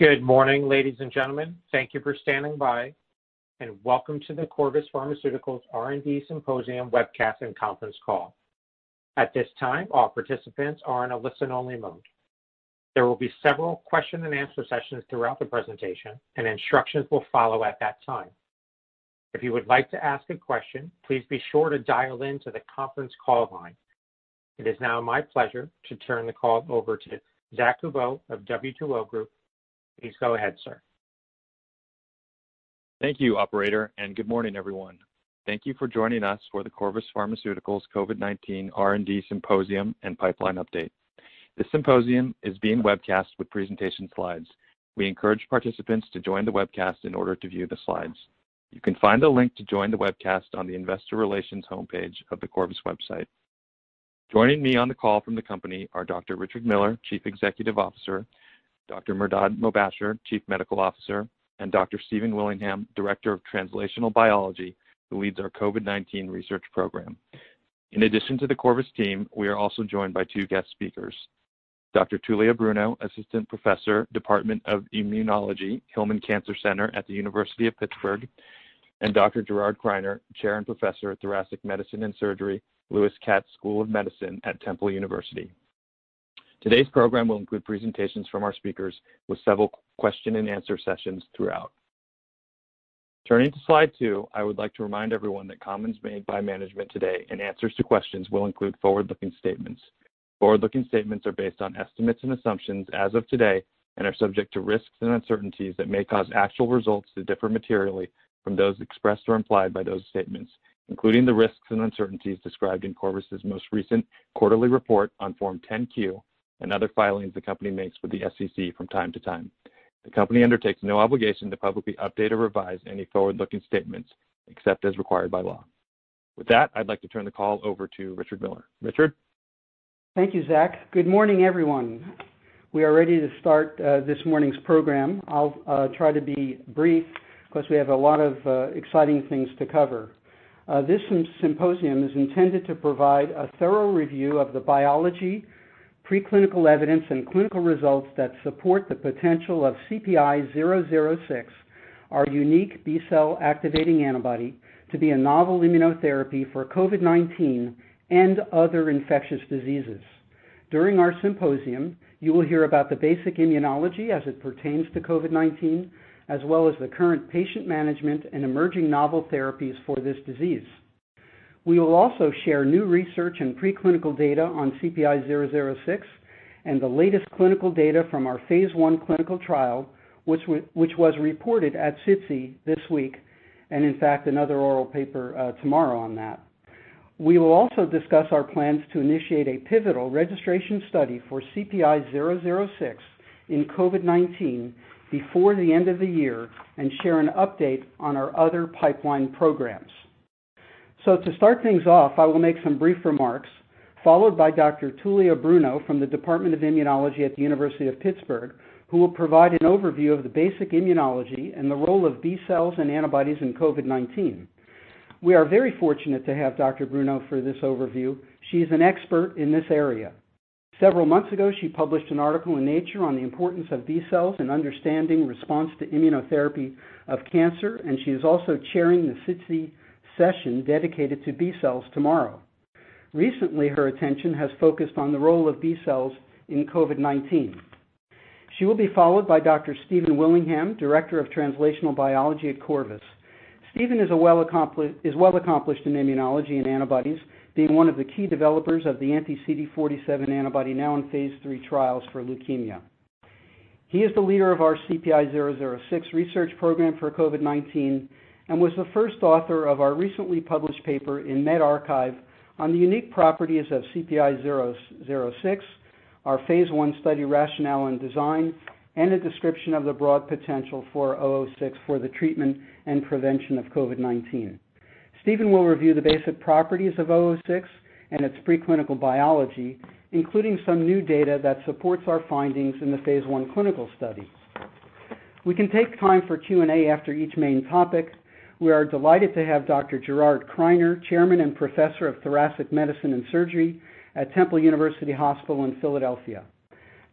Good morning, ladies and gentlemen. Thank you for standing by, and welcome to the Corvus Pharmaceuticals R&D Symposium Webcast and conference call. At this time, all participants are in a listen-only mode. There will be several question-and-answer sessions throughout the presentation, and instructions will follow at that time. If you would like to ask a question, please be sure to dial in to the conference call line. It is now my pleasure to turn the call over to Zack Kubow of W2O Group. Please go ahead, sir. Thank you, operator. Good morning, everyone. Thank you for joining us for the Corvus Pharmaceuticals COVID-19 R&D Symposium and Pipeline Update. This symposium is being webcast with presentation slides. We encourage participants to join the webcast in order to view the slides. You can find a link to join the webcast on the investor relations homepage of the Corvus website. Joining me on the call from the company are Dr. Richard Miller, Chief Executive Officer, Dr. Mehrdad Mobasher, Chief Medical Officer, and Dr. Stephen Willingham, Director of Translational Biology, who leads our COVID-19 research program. In addition to the Corvus team, we are also joined by two guest speakers, Dr. Tullia Bruno, Assistant Professor, Department of Immunology, Hillman Cancer Center at the University of Pittsburgh, and Dr. Gerard Criner, Chair and Professor of Thoracic Medicine and Surgery, Lewis Katz School of Medicine at Temple University. Today's program will include presentations from our speakers with several question-and-answer sessions throughout. Turning to slide two, I would like to remind everyone that comments made by management today and answers to questions will include forward-looking statements. Forward-looking statements are based on estimates and assumptions as of today and are subject to risks and uncertainties that may cause actual results to differ materially from those expressed or implied by those statements, including the risks and uncertainties described in Corvus Pharmaceuticals's most recent quarterly report on Form 10-Q and other filings the company makes with the SEC from time to time. The company undertakes no obligation to publicly update or revise any forward-looking statements except as required by law. With that, I'd like to turn the call over to Richard Miller. Richard? Thank you, Zack. Good morning, everyone. We are ready to start this morning's program. I'll try to be brief because we have a lot of exciting things to cover. This symposium is intended to provide a thorough review of the biology, preclinical evidence, and clinical results that support the potential of CPI-006, our unique B-cell activating antibody, to be a novel immunotherapy for COVID-19 and other infectious diseases. During our symposium, you will hear about the basic immunology as it pertains to COVID-19, as well as the current patient management and emerging novel therapies for this disease. We will also share new research and preclinical data on CPI-006 and the latest clinical data from our phase I clinical trial, which was reported at SITC this week, and in fact, another oral paper tomorrow on that. We will also discuss our plans to initiate a pivotal registration study for CPI-006 in COVID-19 before the end of the year and share an update on our other pipeline programs. To start things off, I will make some brief remarks, followed by Dr. Tullia Bruno from the Department of Immunology at the University of Pittsburgh, who will provide an overview of the basic immunology and the role of B cells and antibodies in COVID-19. We are very fortunate to have Dr. Bruno for this overview. She is an expert in this area. Several months ago, she published an article in Nature on the importance of B cells in understanding response to immunotherapy of cancer, and she is also chairing the SITC session dedicated to B cells tomorrow. Recently, her attention has focused on the role of B cells in COVID-19. She will be followed by Dr. Stephen Willingham, Director of Translational Biology at Corvus. Stephen is well accomplished in immunology and antibodies, being one of the key developers of the anti-CD47 antibody now in phase III trials for leukemia. He is the leader of our CPI-006 research program for COVID-19 and was the first author of our recently published paper in medRxiv on the unique properties of CPI-006, our phase I study rationale and design, and a description of the broad potential for CPI-006 for the treatment and prevention of COVID-19. Stephen will review the basic properties of CPI-006 and its preclinical biology, including some new data that supports our findings in the phase I clinical study. We can take time for Q&A after each main topic. We are delighted to have Dr. Gerard Criner, Chairman and Professor of Thoracic Medicine and Surgery at Temple University Hospital in Philadelphia.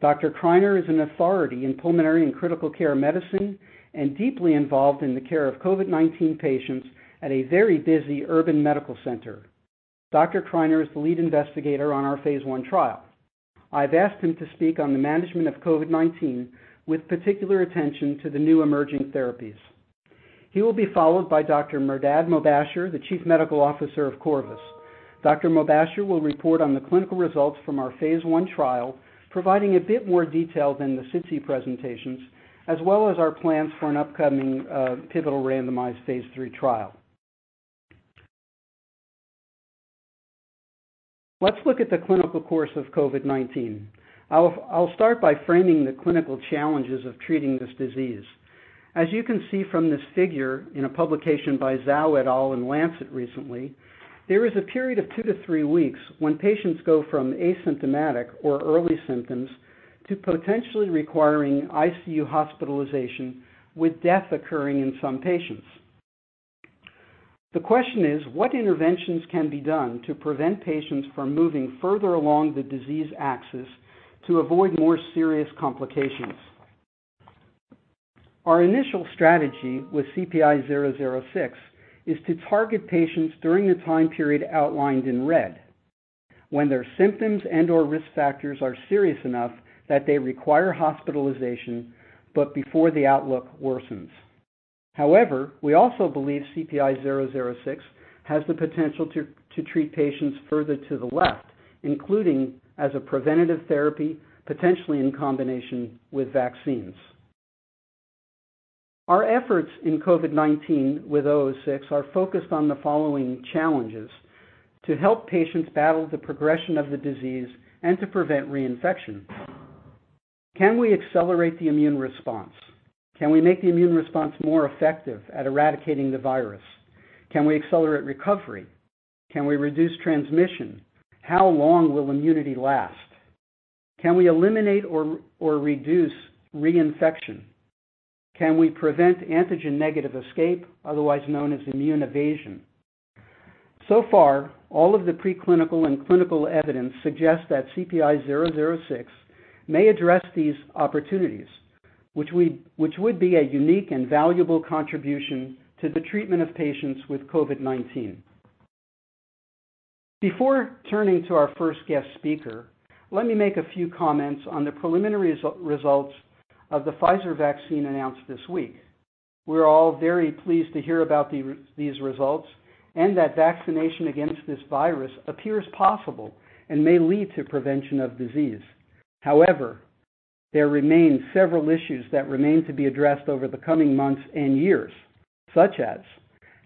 Dr. Criner is an authority in pulmonary and critical care medicine and deeply involved in the care of COVID-19 patients at a very busy urban medical center. Dr. Criner is the lead investigator on our phase I trial. I've asked him to speak on the management of COVID-19 with particular attention to the new emerging therapies. He will be followed by Dr. Mehrdad Mobasher, the Chief Medical Officer of Corvus. Dr. Mobasher will report on the clinical results from our phase I trial, providing a bit more detail than the SITC presentations, as well as our plans for an upcoming pivotal randomized phase III trial. Let's look at the clinical course of COVID-19. I'll start by framing the clinical challenges of treating this disease. As you can see from this figure in a publication by Zhou et al. in The Lancet recently, there is a period of two to three weeks when patients go from asymptomatic or early symptoms to potentially requiring ICU hospitalization, with death occurring in some patients. The question is: what interventions can be done to prevent patients from moving further along the disease axis to avoid more serious complications? Our initial strategy with CPI-006 is to target patients during the time period outlined in red, when their symptoms and/or risk factors are serious enough that they require hospitalization, but before the outlook worsens. However, we also believe CPI-006 has the potential to treat patients further to the left, including as a preventative therapy, potentially in combination with vaccines. Our efforts in COVID-19 withCPI-006 are focused on the following challenges to help patients battle the progression of the disease and to prevent reinfection. Can we accelerate the immune response? Can we make the immune response more effective at eradicating the virus? Can we accelerate recovery? Can we reduce transmission? How long will immunity last? Can we eliminate or reduce reinfection? Can we prevent antigen negative escape, otherwise known as immune evasion? So far, all of the preclinical and clinical evidence suggests that CPI-006 may address these opportunities, which would be a unique and valuable contribution to the treatment of patients with COVID-19. Before turning to our first guest speaker, let me make a few comments on the preliminary results of the Pfizer vaccine announced this week. We're all very pleased to hear about these results and that vaccination against this virus appears possible and may lead to prevention of disease. However, there remain several issues that remain to be addressed over the coming months and years, such as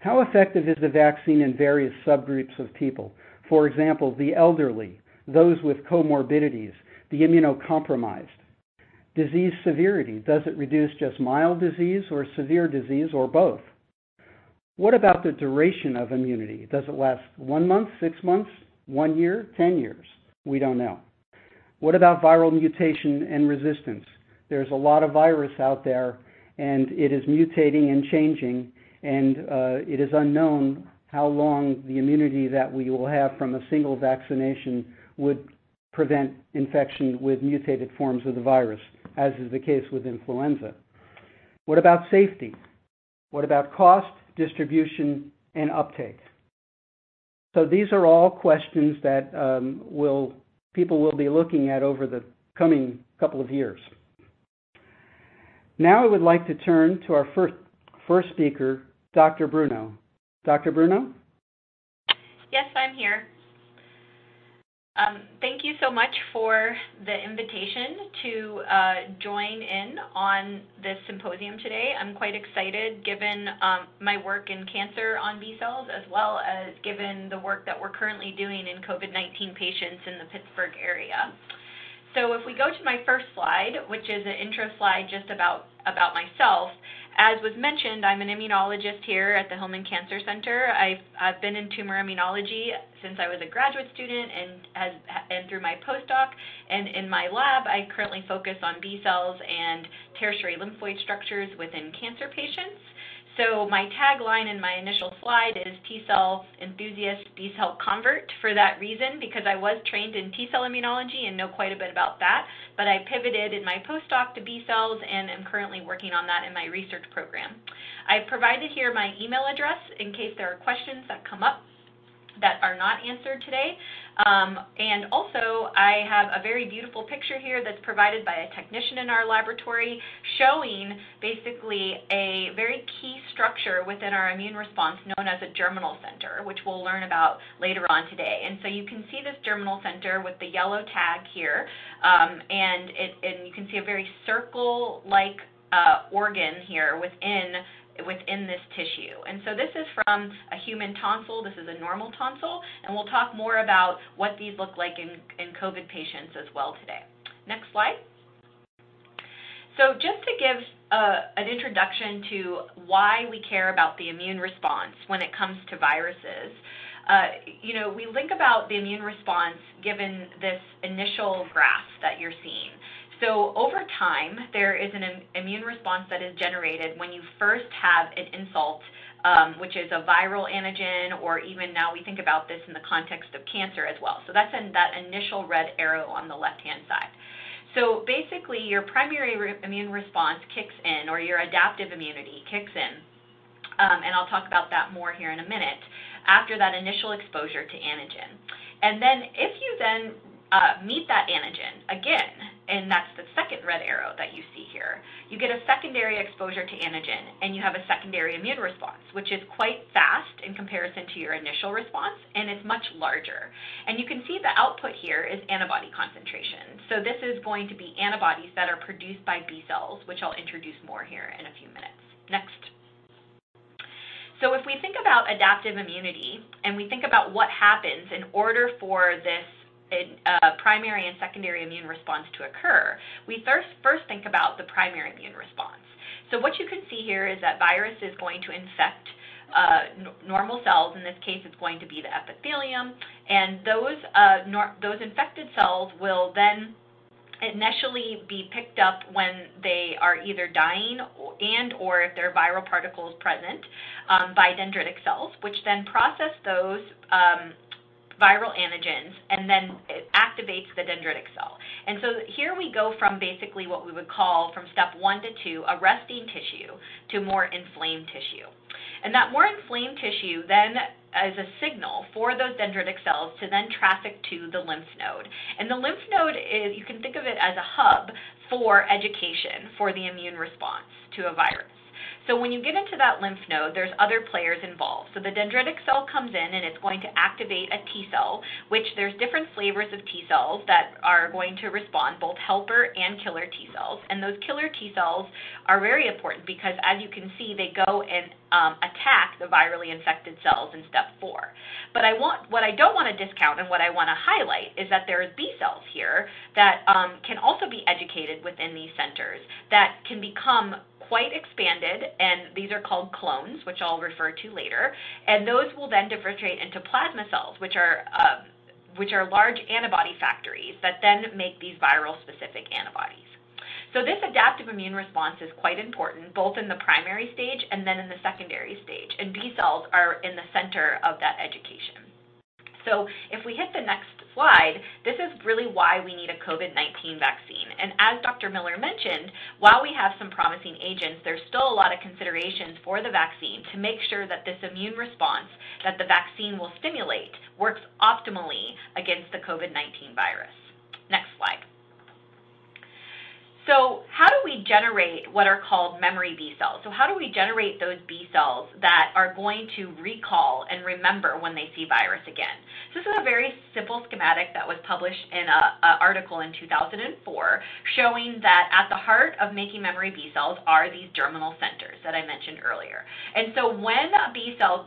how effective is the vaccine in various subgroups of people, for example, the elderly, those with comorbidities, the immunocompromised? Disease severity, does it reduce just mild disease or severe disease, or both? What about the duration of immunity? Does it last one month, six months, one year, 10 years? We don't know. What about viral mutation and resistance? There's a lot of virus out there and it is mutating and changing, and it is unknown how long the immunity that we will have from a single vaccination would prevent infection with mutated forms of the virus, as is the case with influenza. What about safety? What about cost, distribution, and uptake? These are all questions that people will be looking at over the coming couple of years. Now I would like to turn to our first speaker, Dr. Bruno. Dr. Bruno? Yes, I'm here. Thank you so much for the invitation to join in on this symposium today. I'm quite excited given my work in cancer on B cells, as well as given the work that we're currently doing in COVID-19 patients in the Pittsburgh area. If we go to my first slide, which is an intro slide just about myself, as was mentioned, I'm an immunologist here at the Hillman Cancer Center. I've been in tumor immunology since I was a graduate student and through my postdoc. In my lab, I currently focus on B cells and tertiary lymphoid structures within cancer patients. My tagline in my initial slide is T cell enthusiast, B cell convert for that reason, because I was trained in T cell immunology and know quite a bit about that. I pivoted in my postdoc to B cells and am currently working on that in my research program. I provided here my email address in case there are questions that come up that are not answered today. Also I have a very beautiful picture here that's provided by a technician in our laboratory showing basically a very key structure within our immune response known as a germinal center, which we'll learn about later on today. You can see this germinal center with the yellow tag here. You can see a very circle-like organ here within this tissue. This is from a human tonsil. This is a normal tonsil, and we'll talk more about what these look like in COVID patients as well today. Next slide. Just to give an introduction to why we care about the immune response when it comes to viruses. We think about the immune response given this initial graph that you're seeing. Over time, there is an immune response that is generated when you first have an insult, which is a viral antigen or even now we think about this in the context of cancer as well. That's in that initial red arrow on the left-hand side. Basically your primary immune response kicks in, or your adaptive immunity kicks in, and I'll talk about that more here in a minute, after that initial exposure to antigen. If you then meet that antigen again, and that's the second red arrow that you see here, you get a secondary exposure to antigen, and you have a secondary immune response, which is quite fast in comparison to your initial response and is much larger. You can see the output here is antibody concentration. This is going to be antibodies that are produced by B cells, which I'll introduce more here in a few minutes. Next. If we think about adaptive immunity and we think about what happens in order for this primary and secondary immune response to occur, we first think about the primary immune response. What you can see here is that virus is going to infect normal cells. In this case, it's going to be the epithelium. Those infected cells will then initially be picked up when they are either dying and/or if there are viral particles present by dendritic cells, which then process those viral antigens, and then it activates the dendritic cell. Here we go from basically what we would call from step 1 to 2, a resting tissue to more inflamed tissue. That more inflamed tissue then is a signal for those dendritic cells to then traffic to the lymph node. The lymph node is, you can think of it as a hub for education for the immune response to a virus. When you get into that lymph node, there's other players involved. The dendritic cell comes in, and it's going to activate a T cell, which there's different flavors of T cells that are going to respond, both helper and killer T cells. Those killer T cells are very important because, as you can see, they go and attack the virally infected cells in step 4. What I don't want to discount and what I want to highlight is that there are B cells here that can also be educated within these centers that can become quite expanded, and these are called clones, which I'll refer to later. Those will then differentiate into plasma cells, which are large antibody factories that then make these viral-specific antibodies. This adaptive immune response is quite important both in the primary stage and then in the secondary stage, and B cells are in the center of that education. If we hit the next slide, this is really why we need a COVID-19 vaccine. As Dr. Miller mentioned, while we have some promising agents, there's still a lot of considerations for the vaccine to make sure that this immune response that the vaccine will stimulate works optimally against the COVID-19 virus. Next slide. How do we generate what are called memory B cells? How do we generate those B cells that are going to recall and remember when they see virus again? This is a very simple schematic that was published in an article in 2004 showing that at the heart of making memory B cells are these germinal centers that I mentioned earlier. When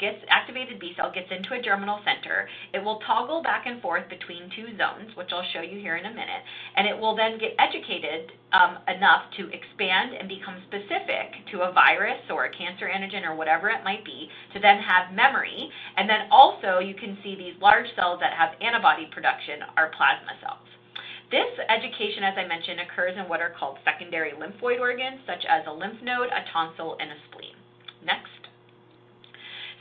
an activated B cell gets into a germinal center, it will toggle back and forth between two zones, which I'll show you here in a minute, and it will then get educated enough to expand and become specific to a virus or a cancer antigen or whatever it might be to then have memory. Also you can see these large cells that have antibody production are plasma cells. This education, as I mentioned, occurs in what are called secondary lymphoid organs, such as a lymph node, a tonsil, and a spleen. Next.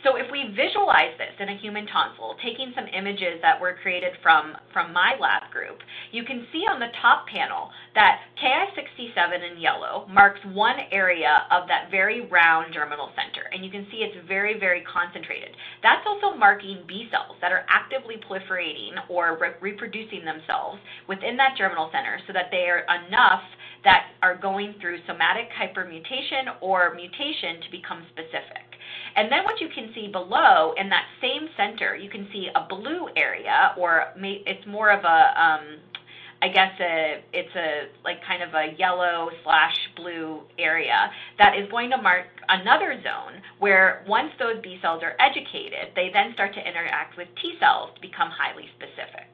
If we visualize this in a human tonsil, taking some images that were created from my lab group, you can see on the top panel that Ki-67 in yellow marks one area of that very round germinal center. You can see it's very concentrated. That's also marking B cells that are actively proliferating or reproducing themselves within that germinal center so that they are enough that are going through somatic hypermutation or mutation to become specific. What you can see below in that same center, you can see a blue area, or it's more of a yellow/blue area that is going to mark another zone where once those B cells are educated, they then start to interact with T cells to become highly specific.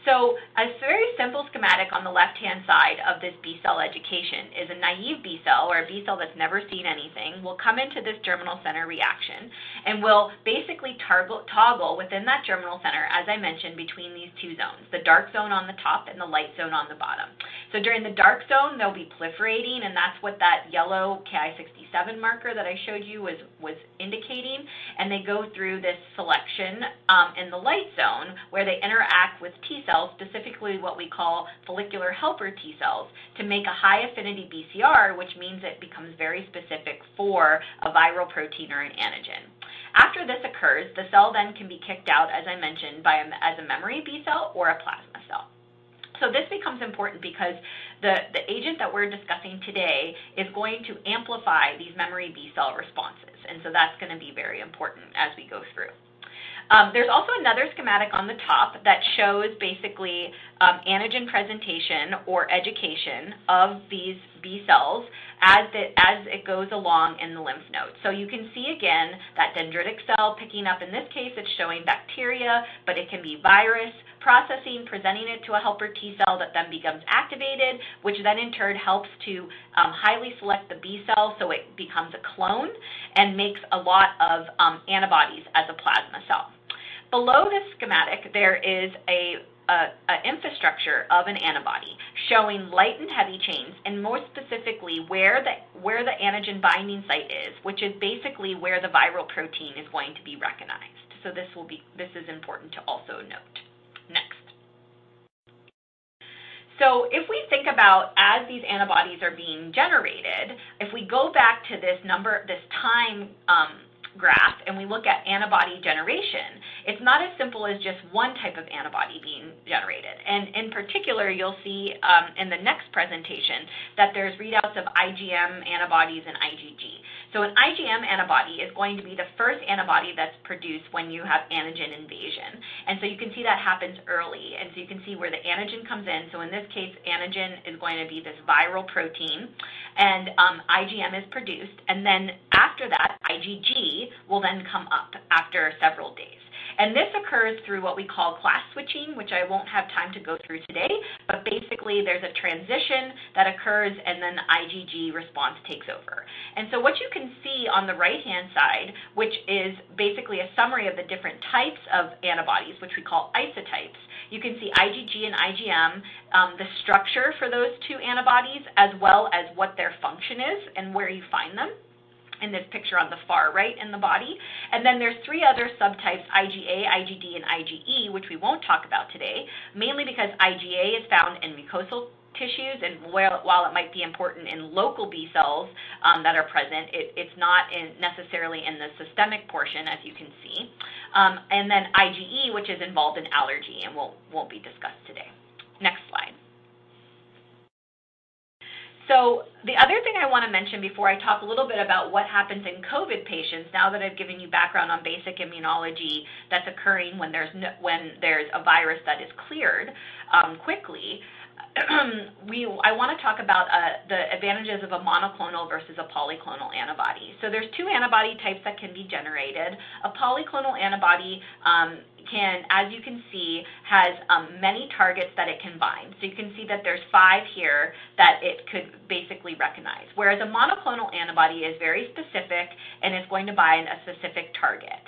Next slide. A very simple schematic on the left-hand side of this B cell education is a naive B cell or a B cell that's never seen anything will come into this germinal center reaction and will basically toggle within that germinal center, as I mentioned, between these two zones, the dark zone on the top and the light zone on the bottom. During the dark zone, they'll be proliferating, and that's what that yellow Ki-67 marker that I showed you was indicating. They go through this selection in the light zone where they interact with T cells, specifically what we call follicular helper T cells, to make a high-affinity BCR, which means it becomes very specific for a viral protein or an antigen. After this occurs, the cell then can be kicked out, as I mentioned, as a memory B cell or a plasma cell. This becomes important because the agent that we're discussing today is going to amplify these memory B cell responses. That's going to be very important as we go through. There's also another schematic on the top that shows basically antigen presentation or education of these B cells as it goes along in the lymph node. You can see again that dendritic cell picking up. In this case, it's showing bacteria, but it can be virus processing, presenting it to a helper T cell that then becomes activated, which then in turn helps to highly select the B cell so it becomes a clone and makes a lot of antibodies as a plasma cell. Below this schematic, there is an infrastructure of an antibody showing light and heavy chains and more specifically where the antigen binding site is, which is basically where the viral protein is going to be recognized. This is important to also note. Next. If we think about as these antibodies are being generated, if we go back to this time graph and we look at antibody generation, it's not as simple as just one type of antibody being generated. In particular, you'll see in the next presentation that there's readouts of IgM antibodies and IgG. An IgM antibody is going to be the first antibody that's produced when you have antigen invasion. You can see that happens early. You can see where the antigen comes in. In this case, antigen is going to be this viral protein. IgM is produced, and then after that, IgG will then come up after several days. This occurs through what we call class switching, which I won't have time to go through today. Basically, there's a transition that occurs, and then the IgG response takes over. What you can see on the right-hand side, which is basically a summary of the different types of antibodies, which we call isotypes. You can see IgG and IgM, the structure for those two antibodies, as well as what their function is and where you find them in this picture on the far right in the body. There's three other subtypes, IgA, IgD, and IgE, which we won't talk about today, mainly because IgA is found in mucosal tissues, and while it might be important in local B cells that are present, it's not necessarily in the systemic portion, as you can see. IgE, which is involved in allergy and won't be discussed today. Next slide. The other thing I want to mention before I talk a little bit about what happens in COVID-19 patients, now that I've given you background on basic immunology that's occurring when there's a virus that is cleared quickly, I want to talk about the advantages of a monoclonal versus a polyclonal antibody. There's two antibody types that can be generated. A polyclonal antibody, as you can see, has many targets that it can bind. You can see that there's five here that it could basically recognize, whereas a monoclonal antibody is very specific and is going to bind a specific target.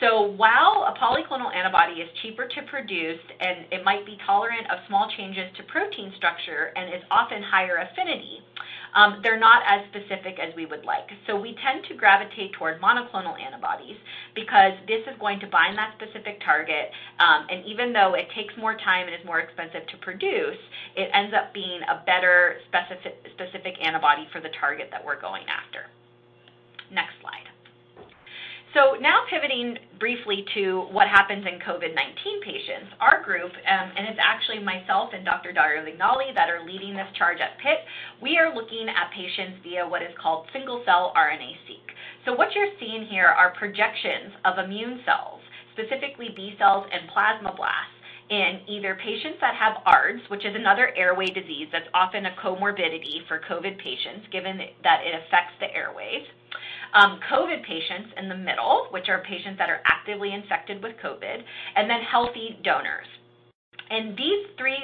While a polyclonal antibody is cheaper to produce, and it might be tolerant of small changes to protein structure and is often higher affinity, they're not as specific as we would like. We tend to gravitate toward monoclonal antibodies because this is going to bind that specific target, and even though it takes more time and is more expensive to produce, it ends up being a better specific antibody for the target that we're going after. Next slide. Now pivoting briefly to what happens in COVID-19 patients, our group, and it's actually myself and Dr. Dario Vignali that are leading this charge at Pitt, we are looking at patients via what is called single-cell RNA-seq. What you're seeing here are projections of immune cells, specifically B cells and plasmablasts, in either patients that have ARDS, which is another airway disease that's often a comorbidity for COVID patients, given that it affects the airways, COVID patients in the middle, which are patients that are actively infected with COVID, and then healthy donors. These three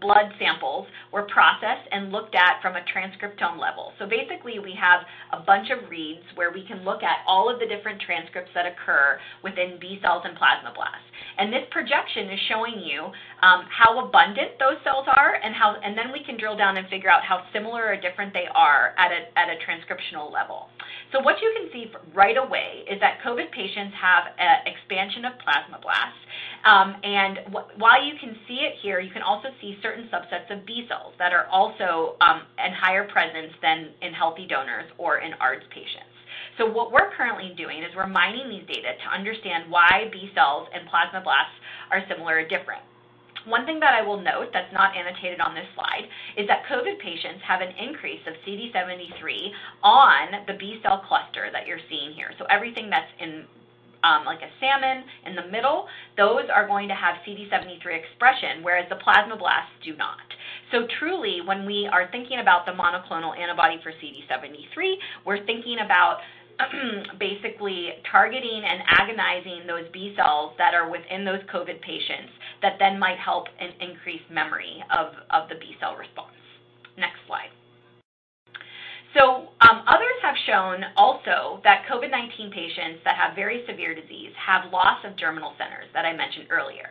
blood samples were processed and looked at from a transcriptome level. Basically, we have a bunch of reads where we can look at all of the different transcripts that occur within B cells and plasmablasts. This projection is showing you how abundant those cells are, and then we can drill down and figure out how similar or different they are at a transcriptional level. What you can see right away is that COVID patients have an expansion of plasmablasts. While you can see it here, you can also see certain subsets of B cells that are also in higher presence than in healthy donors or in ARDS patients. What we're currently doing is we're mining these data to understand why B cells and plasmablasts are similar or different. One thing that I will note that's not annotated on this slide is that COVID patients have an increase of CD73 on the B cell cluster that you're seeing here. Everything that's in a salmon in the middle, those are going to have CD73 expression, whereas the plasmablasts do not. Truly, when we are thinking about the monoclonal antibody for CD73, we're thinking about basically targeting and agonizing those B cells that are within those COVID-19 patients that then might help and increase memory of the B cell response. Next slide. Others have shown also that COVID-19 patients that have very severe disease have loss of germinal centers that I mentioned earlier.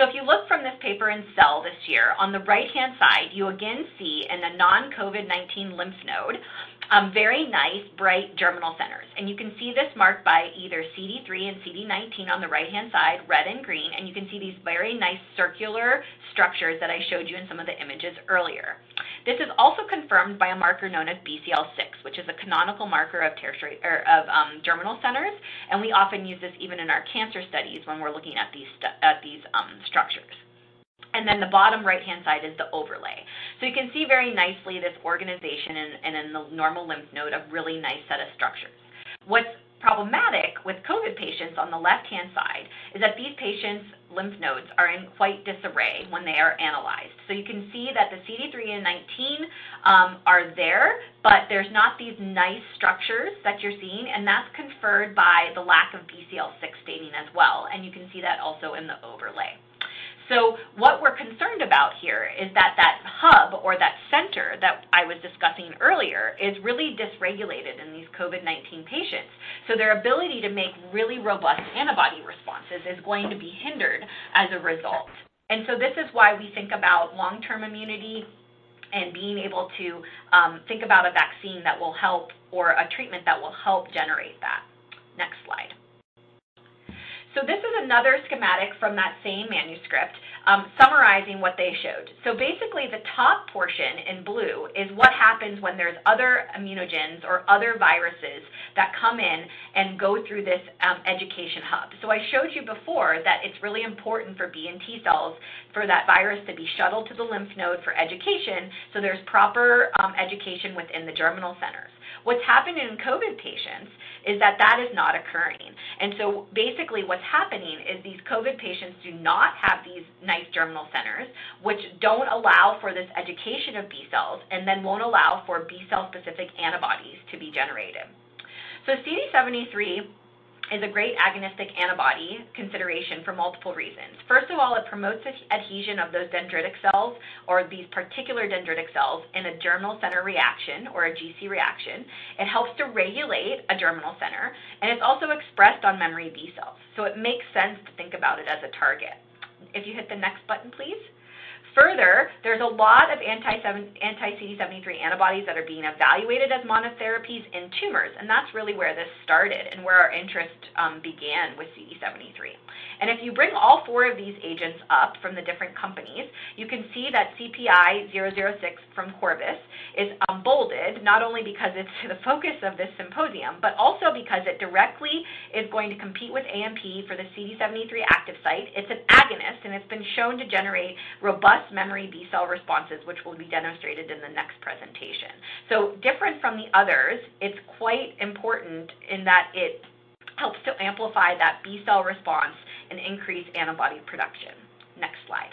If you look from this paper in Cell this year, on the right-hand side, you again see in the non-COVID-19 lymph node very nice bright germinal centers. You can see this marked by either CD3 and CD19 on the right-hand side, red and green, and you can see these very nice circular structures that I showed you in some of the images earlier. This is also confirmed by a marker known as BCL6, which is a canonical marker of germinal centers, and we often use this even in our cancer studies when we're looking at these structures. The bottom right-hand side is the overlay. You can see very nicely this organization and in the normal lymph node, a really nice set of structures. What's problematic with COVID patients on the left-hand side is that these patients' lymph nodes are in quite disarray when they are analyzed. You can see that the CD3 and CD19 are there, but there's not these nice structures that you're seeing, and that's conferred by the lack of BCL6 staining as well, and you can see that also in the overlay. What we're concerned about here is that that hub or that center that I was discussing earlier is really dysregulated in these COVID-19 patients. Their ability to make really robust antibody responses is going to be hindered as a result. This is why we think about long-term immunity and being able to think about a vaccine that will help or a treatment that will help generate that. Next slide. This is another schematic from that same manuscript summarizing what they showed. Basically, the top portion in blue is what happens when there's other immunogens or other viruses that come in and go through this education hub. I showed you before that it's really important for B and T cells for that virus to be shuttled to the lymph node for education, so there's proper education within the germinal centers. What's happened in COVID patients is that that is not occurring. Basically what's happening is these COVID patients do not have these nice germinal centers, which don't allow for this education of B cells and then won't allow for B cell-specific antibodies to be generated. CD73 is a great agonistic antibody consideration for multiple reasons. First of all, it promotes adhesion of those dendritic cells or these particular dendritic cells in a germinal center reaction or a GC reaction. It helps to regulate a germinal center, and it's also expressed on memory B cells. It makes sense to think about it as a target. If you hit the next button, please. Further, there's a lot of anti-CD73 antibodies that are being evaluated as monotherapies in tumors, and that's really where this started and where our interest began with CD73. If you bring all four of these agents up from the different companies, you can see that CPI-006 from Corvus is bolded, not only because it's the focus of this symposium, but also because it directly is going to compete with AMP- for the CD73 active site. It's an agonist, it's been shown to generate robust memory B cell responses, which will be demonstrated in the next presentation. Different from the others, it's quite important in that it helps to amplify that B cell response and increase antibody production. Next slide.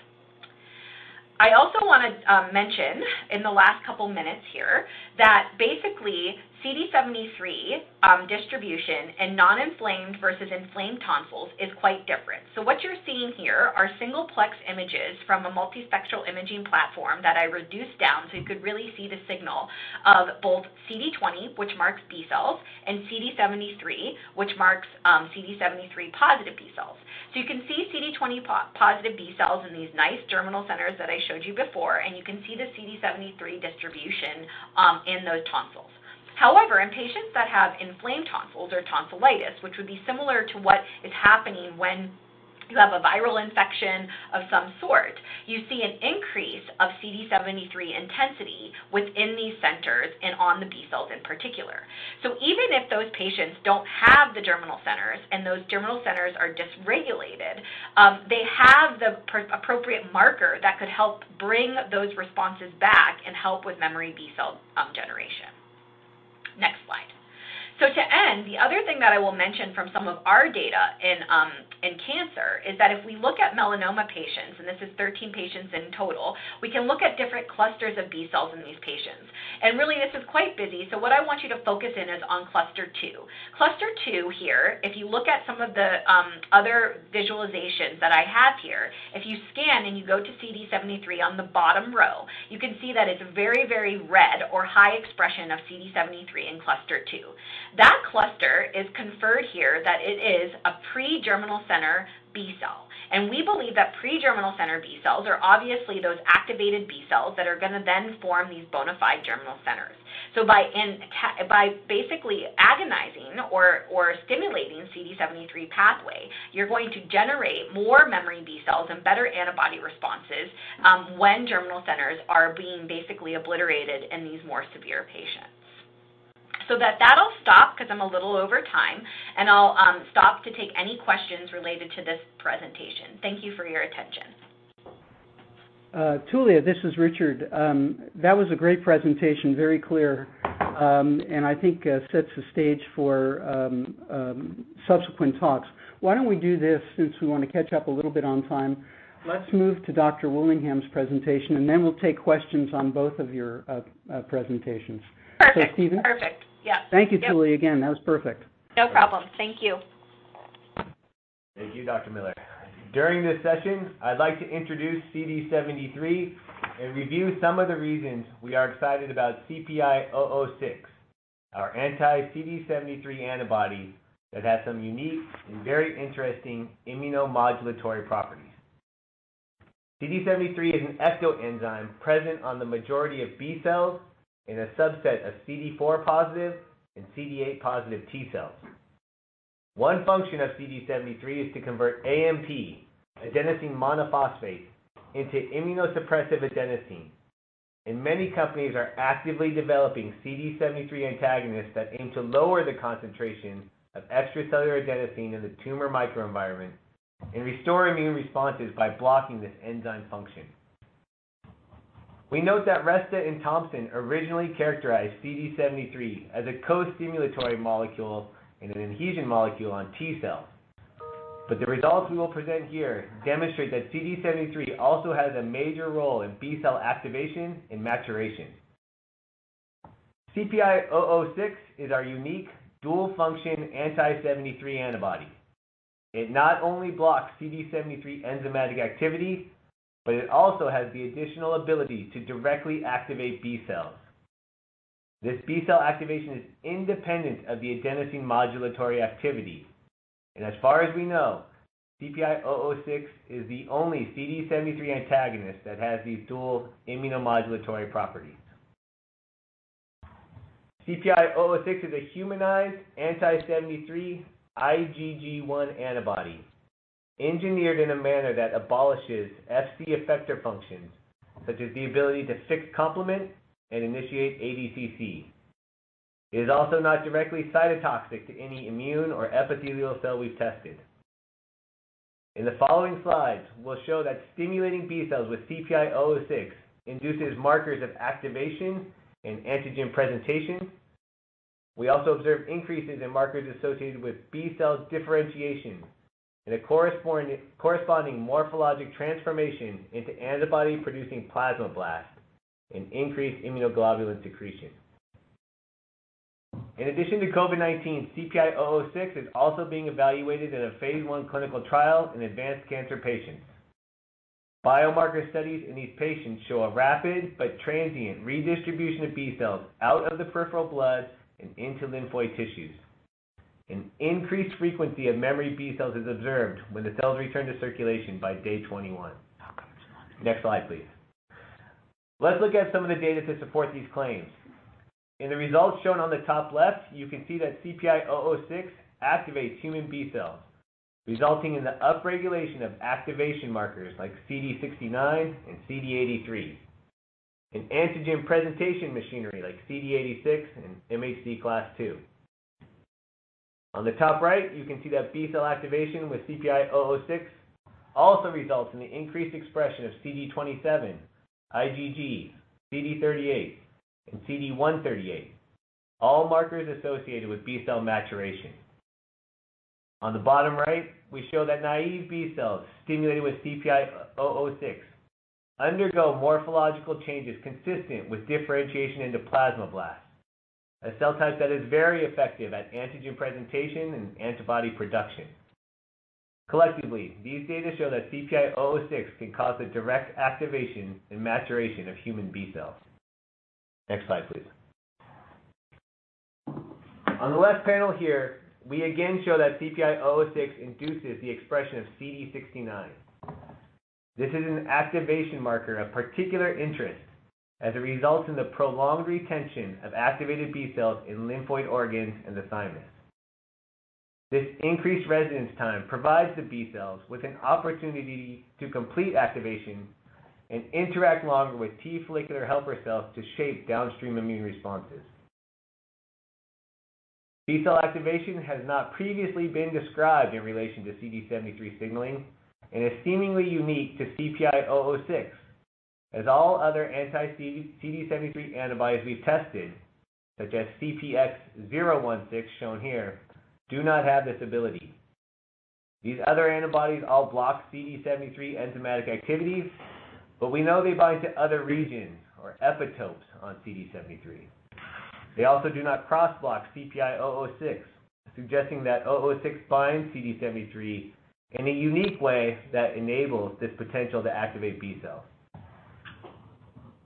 I also want to mention in the last couple minutes here that basically CD73 distribution in non-inflamed versus inflamed tonsils is quite different. What you're seeing here are single plex images from a multispectral imaging platform that I reduced down, so you could really see the signal of both CD20, which marks B cells, and CD73, which marks CD73-positive B cells. You can see CD20-positive B cells in these nice germinal centers that I showed you before, and you can see the CD73 distribution in those tonsils. However, in patients that have inflamed tonsils or tonsillitis, which would be similar to what is happening when you have a viral infection of some sort, you see an increase of CD73 intensity within these centers and on the B cells in particular. Even if those patients don't have the germinal centers and those germinal centers are dysregulated, they have the appropriate marker that could help bring those responses back and help with memory B cell generation. Next slide. To end, the other thing that I will mention from some of our data in cancer is that if we look at melanoma patients, and this is 13 patients in total, we can look at different clusters of B cells in these patients. Really, this is quite busy, what I want you to focus in is on cluster 2. Cluster 2 here, if you look at some of the other visualizations that I have here, if you scan and you go to CD73 on the bottom row, you can see that it's very, very red or high expression of CD73 in cluster 2. That cluster is conferred here that it is a pre-germinal center B cell, and we believe that pre-germinal center B cells are obviously those activated B cells that are going to then form these bona fide germinal centers. By basically agonizing or stimulating CD73 pathway, you're going to generate more memory B cells and better antibody responses when germinal centers are being basically obliterated in these more severe patients. That'll stop because I'm a little over time, and I'll stop to take any questions related to this presentation. Thank you for your attention. Tullia, this is Richard. That was a great presentation, very clear, and I think sets the stage for subsequent talks. Why don't we do this since we want to catch up a little bit on time? Let's move to Dr. Willingham's presentation, and then we'll take questions on both of your presentations. Perfect. Stephen. Perfect. Yeah. Thank you, Tullia. Again, that was perfect. No problem. Thank you. Thank you, Dr. Miller. During this session, I'd like to introduce CD73 and review some of the reasons we are excited about CPI-006, our anti-CD73 antibody that has some unique and very interesting immunomodulatory properties. CD73 is an ectoenzyme present on the majority of B cells in a subset of CD4 positive and CD8 positive T cells. One function of CD73 is to convert AMP, adenosine monophosphate, into immunosuppressive adenosine. Many companies are actively developing CD73 antagonists that aim to lower the concentration of extracellular adenosine in the tumor microenvironment and restore immune responses by blocking this enzyme function. We note that Resta and Thompson originally characterized CD73 as a co-stimulatory molecule and an adhesion molecule on T cells. The results we will present here demonstrate that CD73 also has a major role in B cell activation and maturation. CPI-006 is our unique dual function anti-CD73 antibody. It not only blocks CD73 enzymatic activity, but it also has the additional ability to directly activate B cells. This B cell activation is independent of the adenosine modulatory activity, and as far as we know, CPI-006 is the only CD73 antagonist that has these dual immunomodulatory properties. CPI-006 is a humanized anti-CD73 IgG1 antibody engineered in a manner that abolishes Fc effector functions, such as the ability to fix complement and initiate ADCC. It is also not directly cytotoxic to any immune or epithelial cell we've tested. In the following slides, we'll show that stimulating B cells with CPI-006 induces markers of activation and antigen presentation. We also observe increases in markers associated with B cell differentiation and a corresponding morphologic transformation into antibody producing plasmablasts and increased immunoglobulin secretion. In addition to COVID-19, CPI-006 is also being evaluated in a phase I clinical trial in advanced cancer patients. Biomarker studies in these patients show a rapid but transient redistribution of B cells out of the peripheral blood and into lymphoid tissues. An increased frequency of memory B cells is observed when the cells return to circulation by day 21. Next slide, please. Let's look at some of the data to support these claims. In the results shown on the top left, you can see that CPI-006 activates human B cells, resulting in the upregulation of activation markers like CD69 and CD83, and antigen presentation machinery like CD86 and MHC class II. On the top right, you can see that B-cell activation with CPI-006 also results in the increased expression of CD27, IgG, CD38, and CD138, all markers associated with B-cell maturation. On the bottom right, we show that naive B cells stimulated with CPI-006 undergo morphological changes consistent with differentiation into plasmablast, a cell type that is very effective at antigen presentation and antibody production. Collectively, these data show that CPI-006 can cause the direct activation and maturation of human B cells. Next slide, please. On the left panel here, we again show that CPI-006 induces the expression of CD69. This is an activation marker of particular interest as a result in the prolonged retention of activated B cells in lymphoid organs and the thymus. This increased residence time provides the B cells with an opportunity to complete activation and interact longer with T follicular helper cells to shape downstream immune responses. B cell activation has not previously been described in relation to CD73 signaling and is seemingly unique to CPI-006, as all other anti-CD73 antibodies we've tested, such as CPX-016 shown here, do not have this ability. These other antibodies all block CD73 enzymatic activities, but we know they bind to other regions or epitopes on CD73. They also do not cross-block CPI-006, suggesting that CPI-006 binds CD73 in a unique way that enables this potential to activate B cells.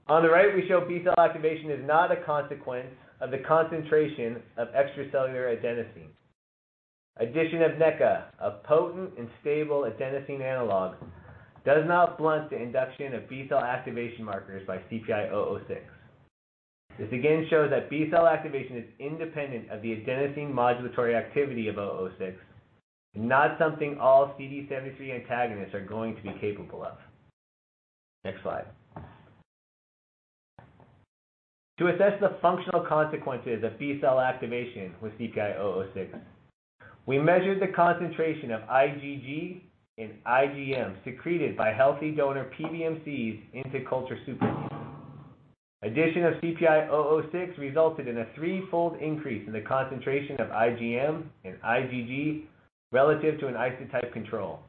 On the right, we show B cell activation is not a consequence of the concentration of extracellular adenosine. Addition of NECA, a potent and stable adenosine analog, does not blunt the induction of B cell activation markers by CPI-006. This again shows that B cell activation is independent of the adenosine modulatory activity of CPI-006, and not something all CD73 antagonists are going to be capable of. Next slide. To assess the functional consequences of B cell activation with CPI-006, we measured the concentration of IgG and IgM secreted by healthy donor PBMCs into culture supernatants. Addition of CPI-006 resulted in a three-fold increase in the concentration of IgM and IgG relative to an isotype control,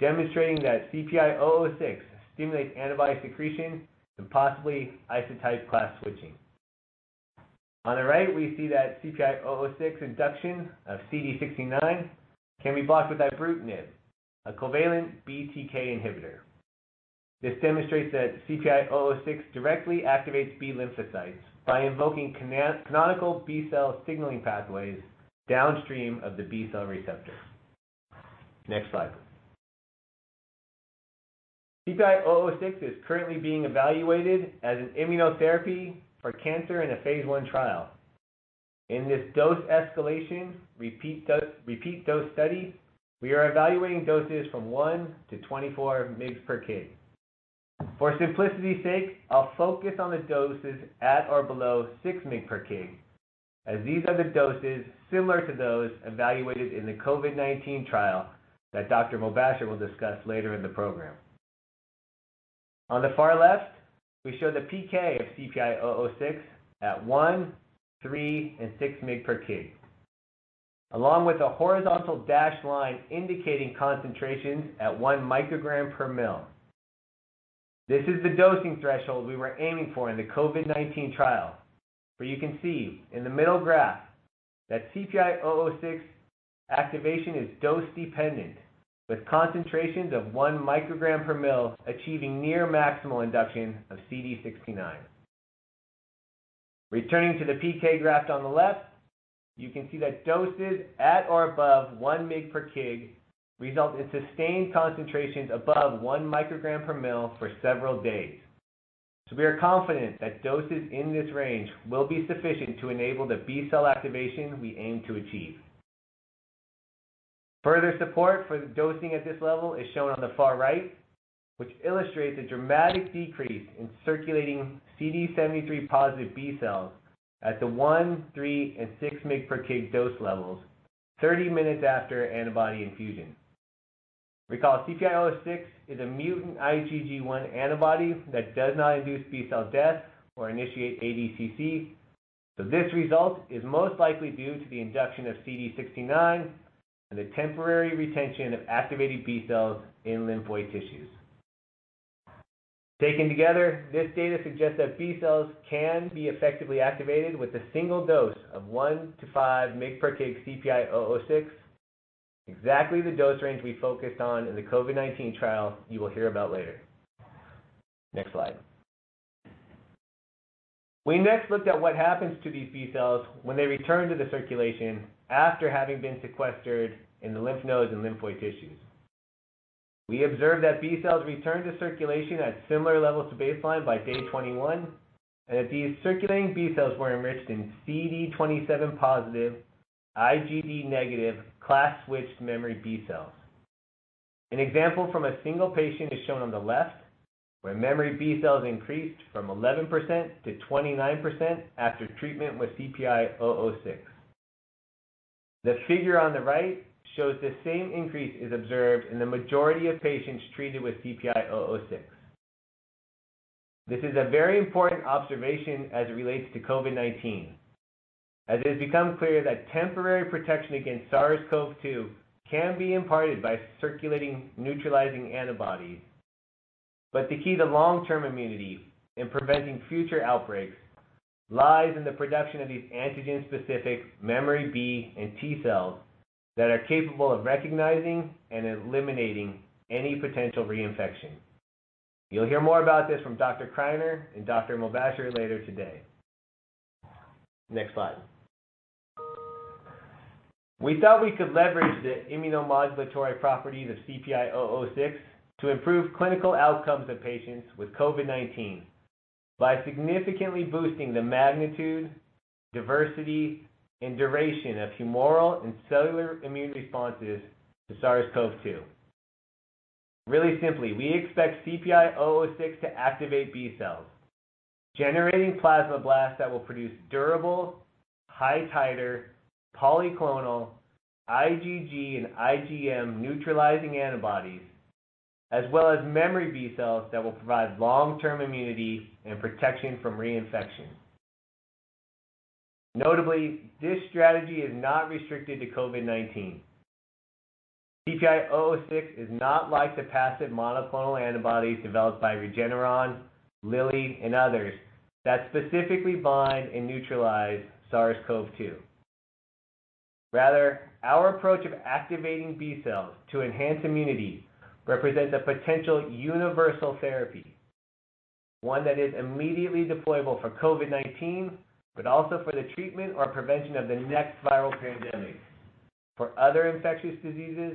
demonstrating that CPI-006 stimulates antibody secretion and possibly isotype class switching. On the right, we see that CPI-006 induction of CD69 can be blocked with ibrutinib, a covalent BTK inhibitor. This demonstrates that CPI-006 directly activates B lymphocytes by invoking canonical B cell signaling pathways downstream of the B cell receptor. Next slide. CPI-006 is currently being evaluated as an immunotherapy for cancer in a phase I trial. In this dose escalation, repeat dose study, we are evaluating doses from 1 mg/kg to 24 mg/kg. For simplicity's sake, I'll focus on the doses at or below 6 mg/kg, as these are the doses similar to those evaluated in the COVID-19 trial that Dr. Mobasher will discuss later in the program. On the far left, we show the PK of CPI-006 at 1, 3, and 6 mg/kg, along with a horizontal dashed line indicating concentrations at 1 microgram per milliliter. This is the dosing threshold we were aiming for in the COVID-19 trial, where you can see in the middle graph that CPI-006 activation is dose-dependent, with concentrations of 1 microgram per milliliter achieving near maximal induction of CD69. Returning to the PK graph on the left, you can see that doses at or above 1 mg/kg result in sustained concentrations above 1 microgram per milliliter for several days. We are confident that doses in this range will be sufficient to enable the B cell activation we aim to achieve. Further support for the dosing at this level is shown on the far right, which illustrates a dramatic decrease in circulating CD73 positive B cells at the 1, 3, and 6 mg/kg dose levels 30 minutes after antibody infusion. Recall, CPI-006 is a mutant IgG1 antibody that does not induce B cell death or initiate ADCC. This result is most likely due to the induction of CD69 and the temporary retention of activated B cells in lymphoid tissues. Taken together, this data suggests that B cells can be effectively activated with a single dose of 1 mg/kg to 5 mg/kg CPI-006, exactly the dose range we focused on in the COVID-19 trial you will hear about later. Next slide. We next looked at what happens to these B cells when they return to the circulation after having been sequestered in the lymph nodes and lymphoid tissues. We observed that B cells return to circulation at similar levels to baseline by day 21, and that these circulating B cells were enriched in CD27-positive, IgD-negative, class-switched memory B cells. An example from a single patient is shown on the left, where memory B cells increased from 11% to 29% after treatment with CPI-006. The figure on the right shows the same increase is observed in the majority of patients treated with CPI-006. This is a very important observation as it relates to COVID-19, as it has become clear that temporary protection against SARS-CoV-2 can be imparted by circulating neutralizing antibodies. The key to long-term immunity and preventing future outbreaks lies in the production of these antigen-specific memory B and T cells that are capable of recognizing and eliminating any potential reinfection. You'll hear more about this from Dr. Criner and Dr. Mobasher later today. Next slide. We thought we could leverage the immunomodulatory properties of CPI-006 to improve clinical outcomes of patients with COVID-19 by significantly boosting the magnitude, diversity, and duration of humoral and cellular immune responses to SARS-CoV-2. Really simply, we expect CPI-006 to activate B cells, generating plasmablasts that will produce durable, high titer, polyclonal, IgG and IgM neutralizing antibodies, as well as memory B cells that will provide long-term immunity and protection from reinfection. Notably, this strategy is not restricted to COVID-19. CPI-006 is not like the passive monoclonal antibodies developed by Regeneron, Lilly, and others that specifically bind and neutralize SARS-CoV-2. Our approach of activating B cells to enhance immunity represents a potential universal therapy, one that is immediately deployable for COVID-19, but also for the treatment or prevention of the next viral pandemic, for other infectious diseases,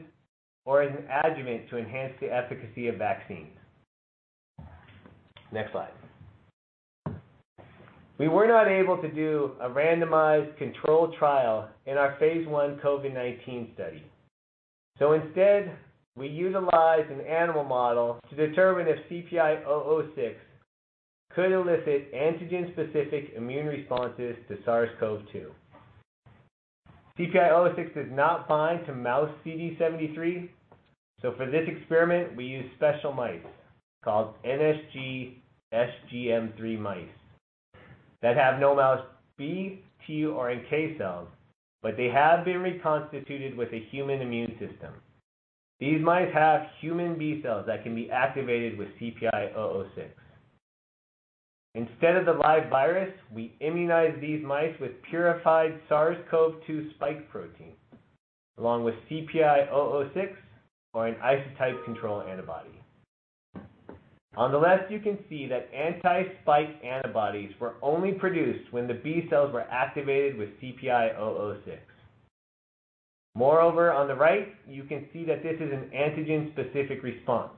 or as an adjuvant to enhance the efficacy of vaccines. Next slide. We were not able to do a randomized controlled trial in our phase I COVID-19 study. Instead, we utilized an animal model to determine if CPI-006 could elicit antigen-specific immune responses to SARS-CoV-2. CPI-006 does not bind to mouse CD73, for this experiment, we used special mice called NSG-SGM3 mice that have no mouse B, T, or NK cells, but they have been reconstituted with a human immune system. These mice have human B cells that can be activated with CPI-006. Instead of the live virus, we immunize these mice with purified SARS-CoV-2 spike protein, along with CPI-006 or an isotype control antibody. On the left, you can see that anti-spike antibodies were only produced when the B cells were activated with CPI-006. On the right, you can see that this is an antigen-specific response.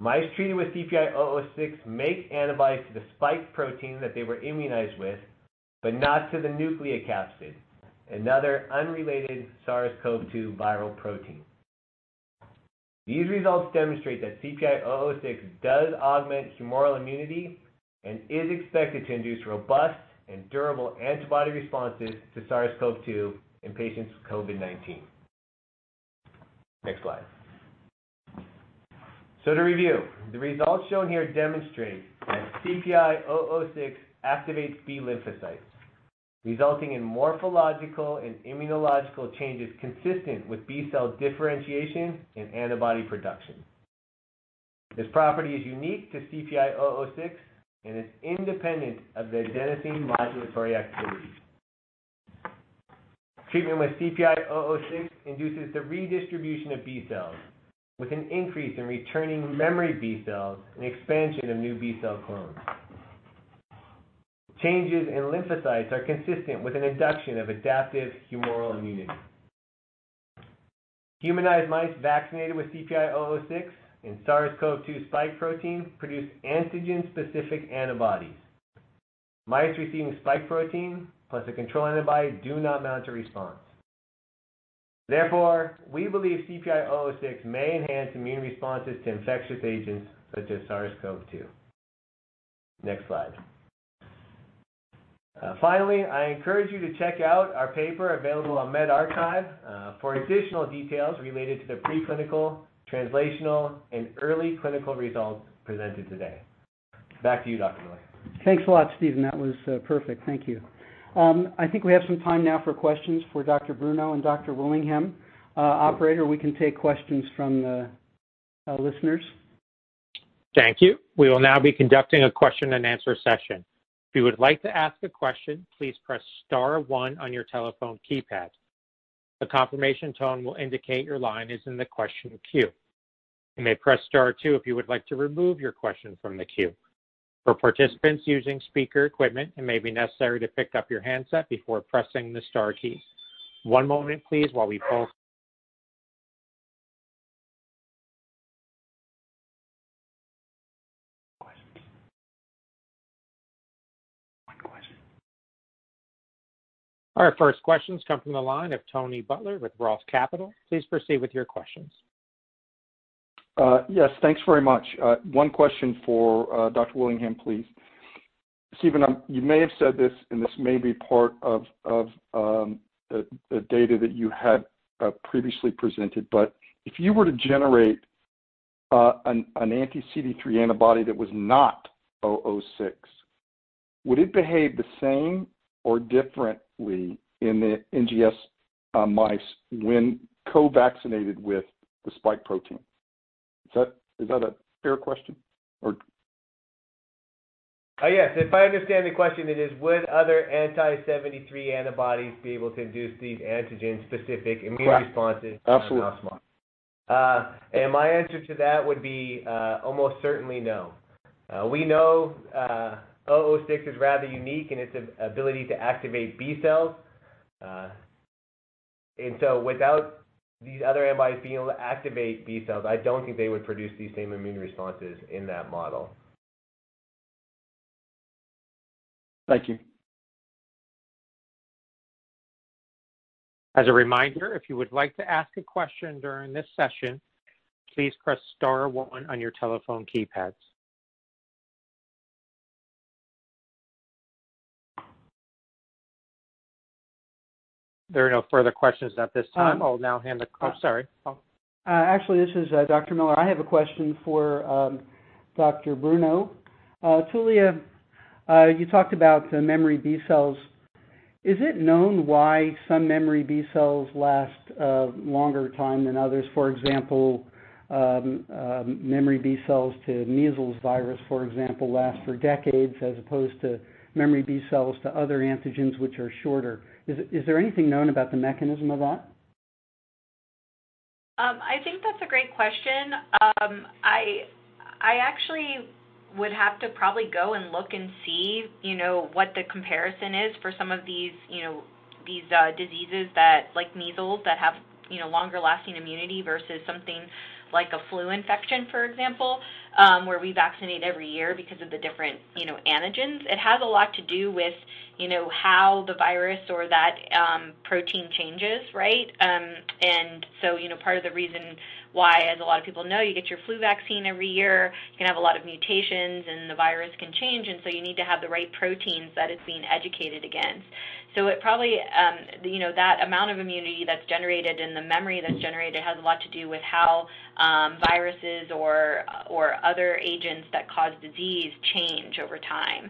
Mice treated with CPI-006 make antibodies to the spike protein that they were immunized with, but not to the nucleocapsid, another unrelated SARS-CoV-2 viral protein. These results demonstrate that CPI-006 does augment humoral immunity and is expected to induce robust and durable antibody responses to SARS-CoV-2 in patients with COVID-19. Next slide. To review, the results shown here demonstrate that CPI-006 activates B lymphocytes, resulting in morphological and immunological changes consistent with B cell differentiation and antibody production. This property is unique to CPI-006 and is independent of the adenosine modulatory activity. Treatment with CPI-006 induces the redistribution of B cells with an increase in returning memory B cells and expansion of new B cell clones. Changes in lymphocytes are consistent with an induction of adaptive humoral immunity. Humanized mice vaccinated with CPI-006 and SARS-CoV-2 spike protein produce antigen-specific antibodies. Mice receiving spike protein plus a control antibody do not mount a response. Therefore, we believe CPI-006 may enhance immune responses to infectious agents such as SARS-CoV-2. Next slide. Finally, I encourage you to check out our paper available on medRxiv for additional details related to the preclinical, translational, and early clinical results presented today. Back to you, Dr. Miller. Thanks a lot, Stephen. That was perfect. Thank you. I think we have some time now for questions for Dr. Bruno and Dr. Willingham. Operator, we can take questions from the listeners. Our first question comes from the line of Tony Butler with ROTH Capital. Please proceed with your questions. Yes, thanks very much. One question for Dr. Willingham, please. Stephen, you may have said this, and this may be part of the data that you had previously presented, but if you were to generate an anti-CD73 antibody that was not CPI-006, would it behave the same or differently in the NSG mice when co-vaccinated with the spike protein? Is that a fair question? Yes, if I understand the question, it is would other anti-CD73 antibodies be able to induce these antigen-specific immune responses? Correct. Absolutely. in the mouse model? My answer to that would be almost certainly no. We know CPI-006 is rather unique in its ability to activate B cells. Without these other antibodies being able to activate B cells, I don't think they would produce these same immune responses in that model. Thank you. As a reminder, if you would like to ask a question during this session, please press star one on your telephone keypads. There are no further questions at this time. I'll now hand the. Oh, sorry. Actually, this is Dr. Miller. I have a question for Dr. Bruno. Tullia, you talked about memory B cells. Is it known why some memory B cells last a longer time than others? For example, memory B cells to measles virus, for example, last for decades, as opposed to memory B cells to other antigens, which are shorter. Is there anything known about the mechanism of that? I think that's a great question. I actually would have to probably go and look and see what the comparison is for some of these diseases like measles that have longer-lasting immunity versus something like a flu infection, for example, where we vaccinate every year because of the different antigens. It has a lot to do with how the virus or that protein changes, right? Part of the reason why, as a lot of people know, you get your flu vaccine every year, you can have a lot of mutations, and the virus can change, and so you need to have the right proteins that it's being educated against. It probably, that amount of immunity that's generated and the memory that's generated has a lot to do with how viruses or other agents that cause disease change over time.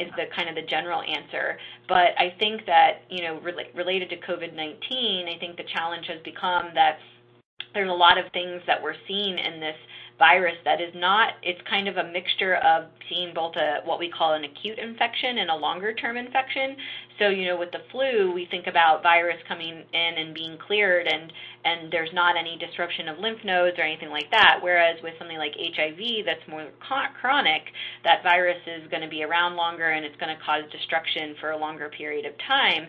Is the kind of the general answer. I think that, related to COVID-19, I think the challenge has become that there's a lot of things that we're seeing in this virus that is not. It's kind of a mixture of seeing both a, what we call an acute infection and a longer-term infection. With the flu, we think about virus coming in and being cleared, and there's not any disruption of lymph nodes or anything like that. Whereas with something like HIV, that's more chronic, that virus is going to be around longer, and it's going to cause destruction for a longer period of time.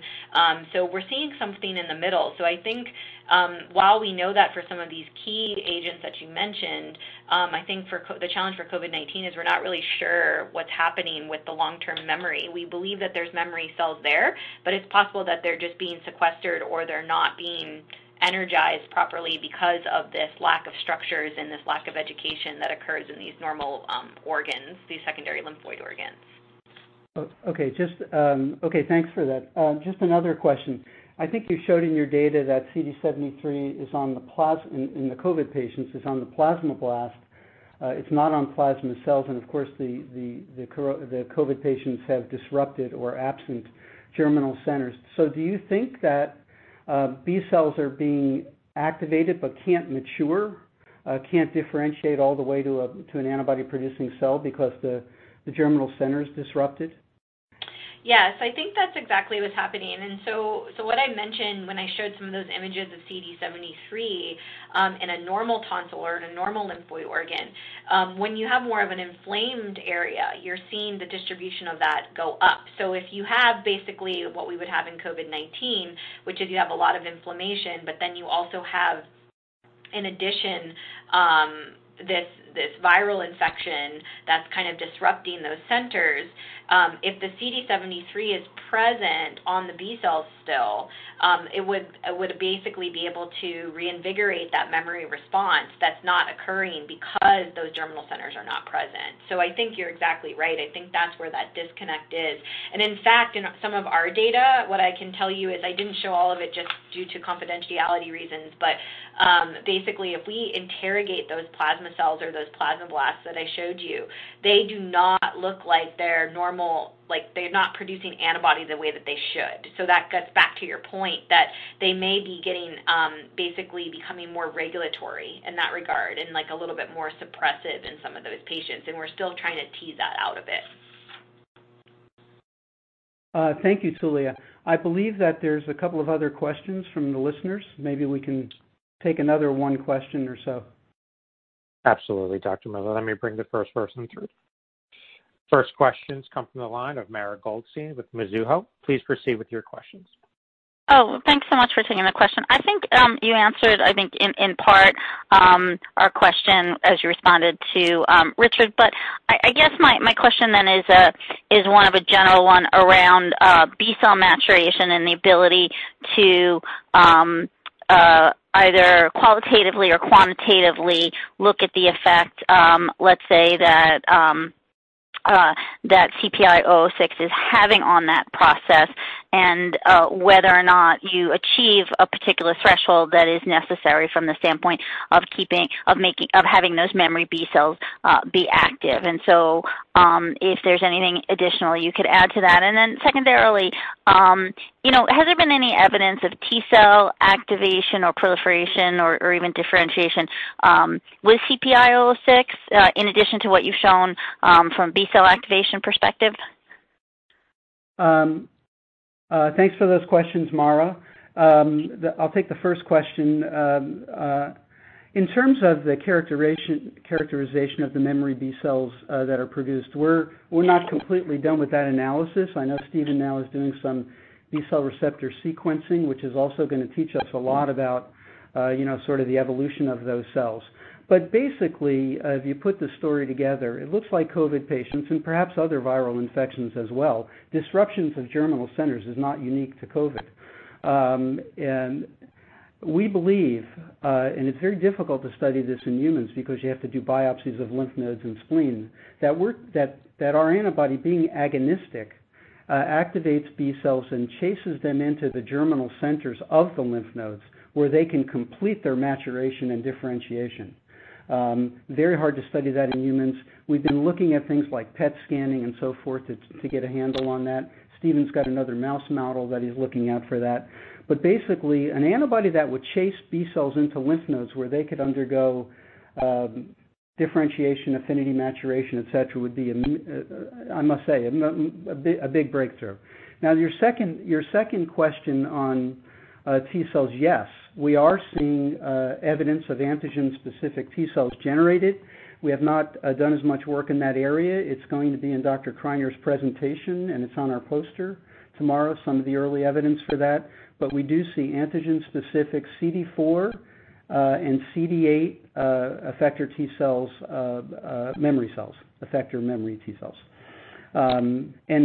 We're seeing something in the middle. I think while we know that for some of these key agents that you mentioned, I think the challenge for COVID-19 is we're not really sure what's happening with the long-term memory. We believe that there's memory cells there, but it's possible that they're just being sequestered, or they're not being energized properly because of this lack of structures and this lack of education that occurs in these normal organs, these secondary lymphoid organs. Okay, thanks for that. Just another question. I think you showed in your data that CD73 in the COVID patients is on the plasmablast. It's not on plasma cells, and of course, the COVID patients have disrupted or absent germinal centers. Do you think that B cells are being activated but can't mature? Can't differentiate all the way to an antibody-producing cell because the germinal center is disrupted? Yes, I think that's exactly what's happening. What I mentioned when I showed some of those images of CD73 in a normal tonsil or in a normal lymphoid organ, when you have more of an inflamed area, you're seeing the distribution of that go up. If you have basically what we would have in COVID-19, which is you have a lot of inflammation, but then you also have, in addition, this viral infection that's kind of disrupting those centers. If the CD73 is present on the B cells still, it would basically be able to reinvigorate that memory response that's not occurring because those germinal centers are not present. I think you're exactly right. I think that's where that disconnect is. In fact, in some of our data, what I can tell you is, I didn't show all of it just due to confidentiality reasons, but basically if we interrogate those plasma cells or those plasmablasts that I showed you, they do not look like they're normal. They're not producing antibodies the way that they should. That gets back to your point that they may be basically becoming more regulatory in that regard and a little bit more suppressive in some of those patients. We're still trying to tease that out a bit. Thank you, Tullia. I believe that there's a couple of other questions from the listeners. Maybe we can take another one question or so. Absolutely, Dr. Miller. Let me bring the first person through. First questions come from the line of Mara Goldstein with Mizuho. Please proceed with your questions. Thanks so much for taking the question. I think you answered, I think in part, our question as you responded to Richard. I guess my question then is one of a general one around B-cell maturation and the ability to either qualitatively or quantitatively look at the effect, let's say, that CPI-006 is having on that process and whether or not you achieve a particular threshold that is necessary from the standpoint of having those memory B cells be active. If there's anything additional you could add to that. Secondarily, has there been any evidence of T-cell activation or proliferation or even differentiation with CPI-006 in addition to what you've shown from B-cell activation perspective? Thanks for those questions, Mara. I'll take the first question. In terms of the characterization of the memory B cells that are produced, we're not completely done with that analysis. I know Stephen now is doing some B cell receptor sequencing, which is also going to teach us a lot about sort of the evolution of those cells. Basically, if you put the story together, it looks like COVID patients, and perhaps other viral infections as well, disruptions of germinal centers is not unique to COVID. We believe, and it's very difficult to study this in humans because you have to do biopsies of lymph nodes and spleen, that our antibody being agonistic activates B cells and chases them into the germinal centers of the lymph nodes where they can complete their maturation and differentiation. Very hard to study that in humans. We've been looking at things like PET scanning and so forth to get a handle on that. Stephen's got another mouse model that he's looking at for that. Basically, an antibody that would chase B cells into lymph nodes where they could undergo differentiation, affinity maturation, et cetera, would be, I must say, a big breakthrough. Now, your second question on T cells, yes, we are seeing evidence of antigen-specific T cells generated. We have not done as much work in that area. It's going to be in Dr. Criner's presentation, and it's on our poster tomorrow, some of the early evidence for that. We do see antigen-specific CD4 and CD8 effector T cells, memory cells, effector memory T cells. As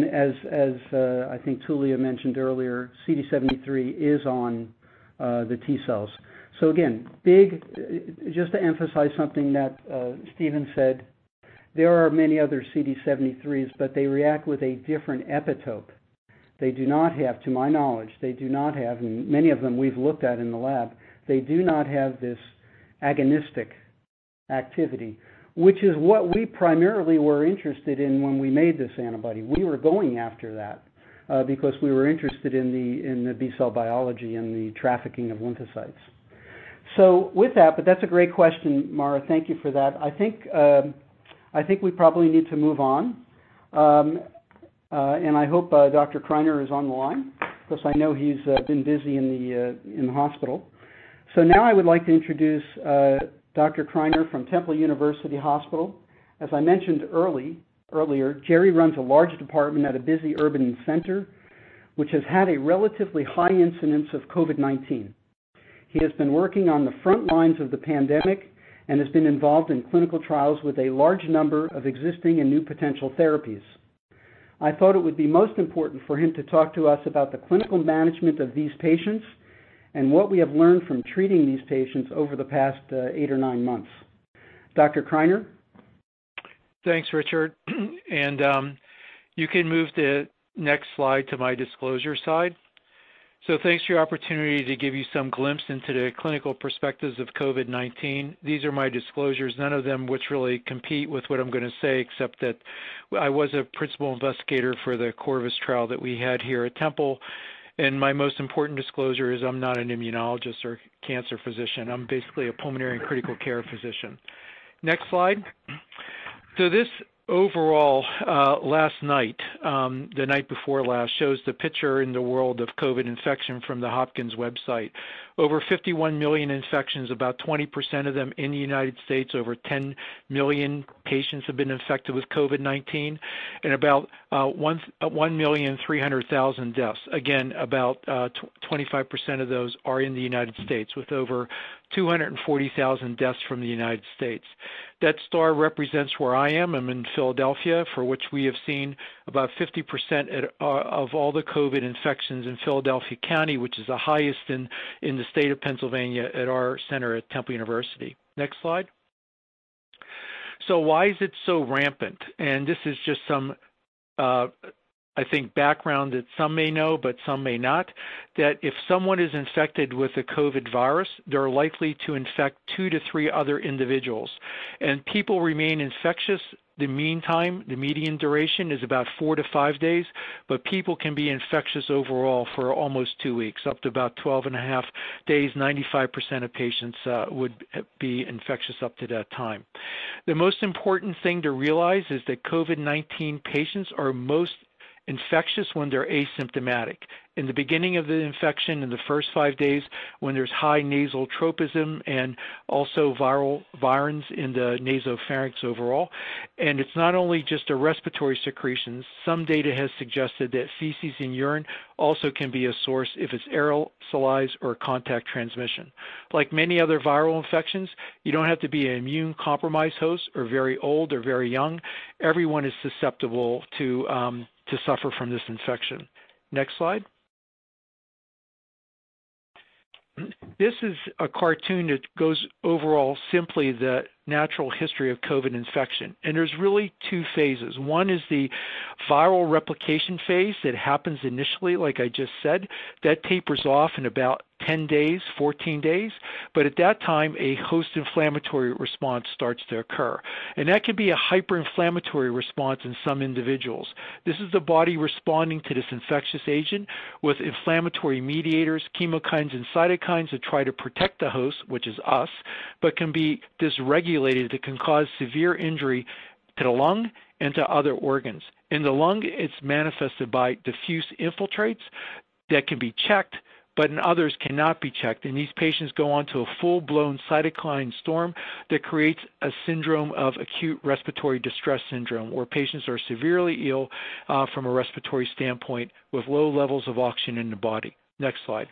I think Tullia mentioned earlier, CD73 is on the T cells. Again, just to emphasize something that Stephen said, there are many other CD73s, but they react with a different epitope. They do not have, to my knowledge, and many of them we've looked at in the lab, they do not have this agonistic activity, which is what we primarily were interested in when we made this antibody. We were going after that because we were interested in the B cell biology and the trafficking of lymphocytes. With that, but that's a great question, Mara. Thank you for that. I think we probably need to move on. I hope Dr. Criner is online because I know he's been busy in the hospital. Now I would like to introduce Dr. Criner from Temple University Hospital. As I mentioned earlier, Gerard runs a large department at a busy urban center, which has had a relatively high incidence of COVID-19. He has been working on the front lines of the pandemic and has been involved in clinical trials with a large number of existing and new potential therapies. I thought it would be most important for him to talk to us about the clinical management of these patients and what we have learned from treating these patients over the past eight or nine months. Dr. Criner? Thanks, Richard. You can move the next slide to my disclosure slide. Thanks for your opportunity to give you some glimpse into the clinical perspectives of COVID-19. These are my disclosures, none of them which really compete with what I'm going to say except that I was a principal investigator for the Corvus trial that we had here at Temple, and my most important disclosure is I'm not an immunologist or cancer physician. Next slide. This overall last night, the night before last, shows the picture in the world of COVID infection from the Hopkins website. Over 51 million infections, about 20% of them in the United States Over 10 million patients have been infected with COVID-19 and about 1,300,000 deaths. Again, about 25% of those are in the United States with over 240,000 deaths from the United States That star represents where I am. I'm in Philadelphia, for which we have seen about 50% of all the COVID infections in Philadelphia County, which is the highest in the state of Pennsylvania at our center at Temple University. Next slide. Why is it so rampant? This is just some background that some may know but some may not, that if someone is infected with the COVID virus, they're likely to infect two to three other individuals. People remain infectious, the median duration is about four to five days, but people can be infectious overall for almost two weeks, up to about 12.5 Days, 95% of patients would be infectious up to that time. The most important thing to realize is that COVID-19 patients are most infectious when they're asymptomatic. In the beginning of the infection, in the first five days, when there's high nasal tropism and also virions in the nasopharynx overall. It's not only just the respiratory secretions. Some data has suggested that feces and urine also can be a source if it's aerosolized or contact transmission. Like many other viral infections, you don't have to be an immune-compromised host or very old or very young. Everyone is susceptible to suffer from this infection. Next slide. This is a cartoon that goes over simply the natural history of COVID infection. There's really two phases. One is the viral replication phase that happens initially, like I just said. That tapers off in about 10 days, 14 days. At that time, a host inflammatory response starts to occur. That can be a hyperinflammatory response in some individuals. This is the body responding to this infectious agent with inflammatory mediators, chemokines, and cytokines that try to protect the host, which is us, but can be dysregulated that can cause severe injury to the lung and to other organs. In the lung, it's manifested by diffuse infiltrates that can be checked, but in others cannot be checked, and these patients go on to a full-blown cytokine storm that creates a syndrome of acute respiratory distress syndrome, where patients are severely ill from a respiratory standpoint with low levels of oxygen in the body. Next slide.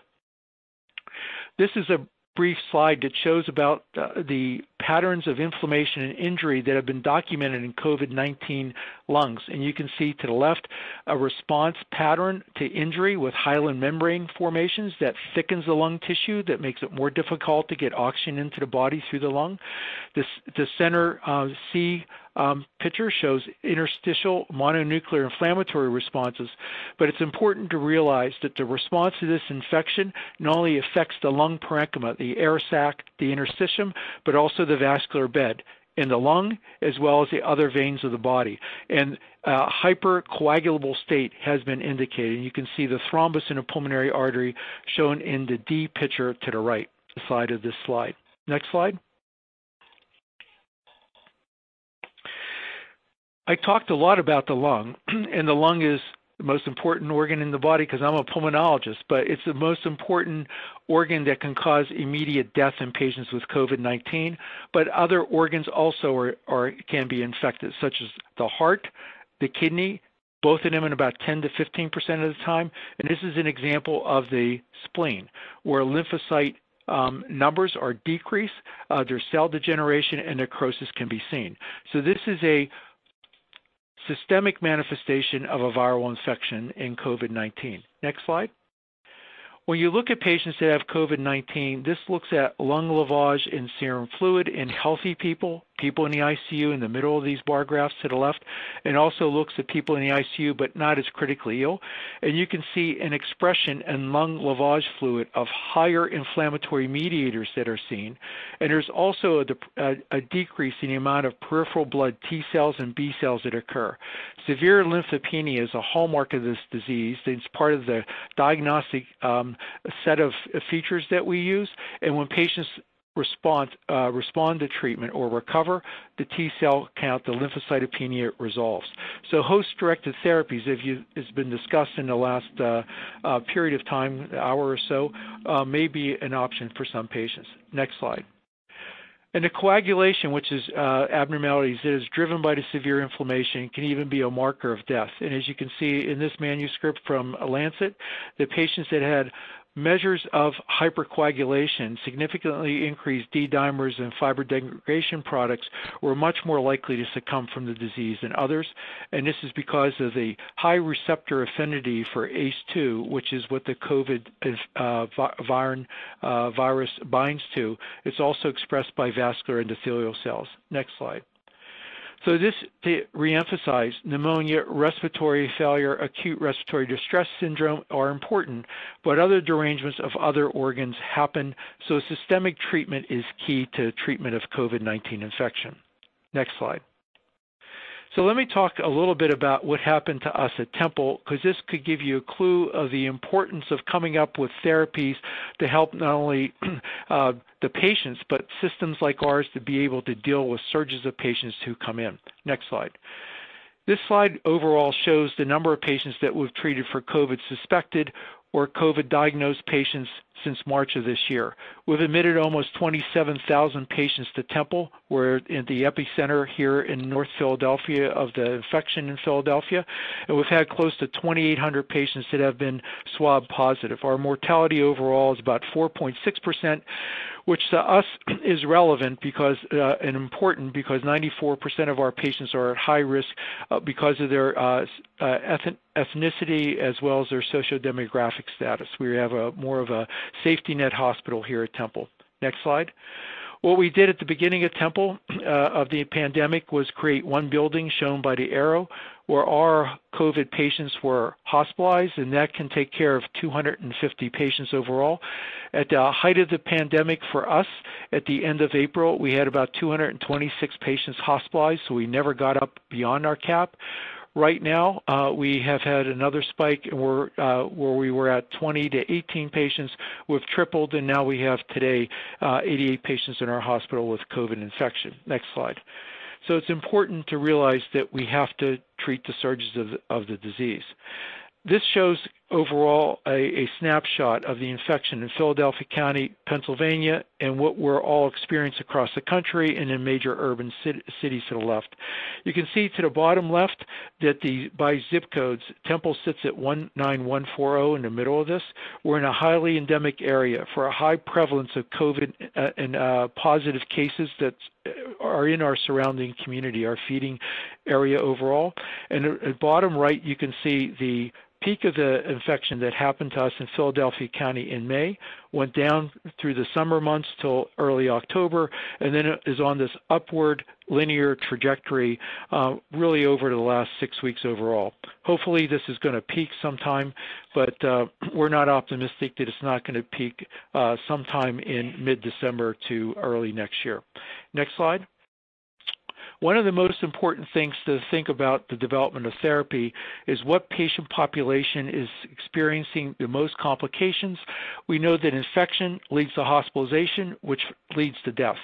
This is a brief slide that shows about the patterns of inflammation and injury that have been documented in COVID-19 lungs. You can see to the left a response pattern to injury with hyaline membrane formations that thickens the lung tissue that makes it more difficult to get oxygen into the body through the lung. The center C picture shows interstitial mononuclear inflammatory responses, but it's important to realize that the response to this infection not only affects the lung parenchyma, the air sac, the interstitium, but also the vascular bed in the lung as well as the other veins of the body. A hypercoagulable state has been indicated. You can see the thrombus in a pulmonary artery shown in the D picture to the right side of this slide. Next slide. I talked a lot about the lung, and the lung is the most important organ in the body because I'm a pulmonologist, but it's the most important organ that can cause immediate death in patients with COVID-19. Other organs also can be infected, such as the heart, the kidney, both of them in about 10%-15% of the time. This is an example of the spleen, where lymphocyte numbers are decreased. There's cell degeneration and necrosis can be seen. This is a systemic manifestation of a viral infection in COVID-19. Next slide. When you look at patients that have COVID-19, this looks at lung lavage and serum fluid in healthy people in the ICU in the middle of these bar graphs to the left. It also looks at people in the ICU but not as critically ill. You can see an expression in lung lavage fluid of higher inflammatory mediators that are seen. There's also a decrease in the amount of peripheral blood T cells and B cells that occur. Severe lymphopenia is a hallmark of this disease and it's part of the diagnostic set of features that we use. When patients respond to treatment or recover, the T cell count, the lymphopenia resolves. Host-directed therapies, as been discussed in the last period of time, hour or so, may be an option for some patients. Next slide. The coagulation, which is abnormalities, it is driven by the severe inflammation and can even be a marker of death. As you can see in this manuscript from The Lancet, the patients that had measures of hypercoagulation, significantly increased D-dimers and fibrin degradation products, were much more likely to succumb from the disease than others. This is because of the high receptor affinity for ACE2, which is what the COVID virus binds to. It's also expressed by vascular endothelial cells. Next slide. Just to reemphasize, pneumonia, respiratory failure, acute respiratory distress syndrome are important, but other derangements of other organs happen, so systemic treatment is key to treatment of COVID-19 infection. Next slide. Let me talk a little bit about what happened to us at Temple, because this could give you a clue of the importance of coming up with therapies to help not only the patients, but systems like ours to be able to deal with surges of patients who come in. Next slide. This slide overall shows the number of patients that we've treated for COVID suspected or COVID diagnosed patients since March of this year. We've admitted almost 27,000 patients to Temple. We're in the epicenter here in North Philadelphia of the infection in Philadelphia, and we've had close to 2,800 patients that have been swab positive. Our mortality overall is about 4.6%, which to us is relevant and important because 94% of our patients are at high risk because of their ethnicity as well as their sociodemographic status. We have more of a safety net hospital here at Temple. Next slide. What we did at the beginning of Temple, of the pandemic was create one building, shown by the arrow, where our COVID patients were hospitalized, and that can take care of 250 patients overall. At the height of the pandemic for us, at the end of April, we had about 226 patients hospitalized. We never got up beyond our cap. Right now, we have had another spike where we were at 20 to 18 patients. We've tripled. Now we have today 88 patients in our hospital with COVID infection. Next slide. It's important to realize that we have to treat the surges of the disease. This shows overall a snapshot of the infection in Philadelphia County, Pennsylvania, and what we're all experiencing across the country and in major urban cities to the left. You can see to the bottom left that by ZIP codes, Temple sits at 19140 in the middle of this. We're in a highly endemic area for a high prevalence of COVID and positive cases that are in our surrounding community, our feeding area overall. At bottom right, you can see the peak of the infection that happened to us in Philadelphia County in May, went down through the summer months till early October, and then is on this upward linear trajectory really over the last six weeks overall. Hopefully, this is going to peak sometime, but we're not optimistic that it's not going to peak sometime in mid-December to early next year. Next slide. One of the most important things to think about the development of therapy is what patient population is experiencing the most complications. We know that infection leads to hospitalization, which leads to death.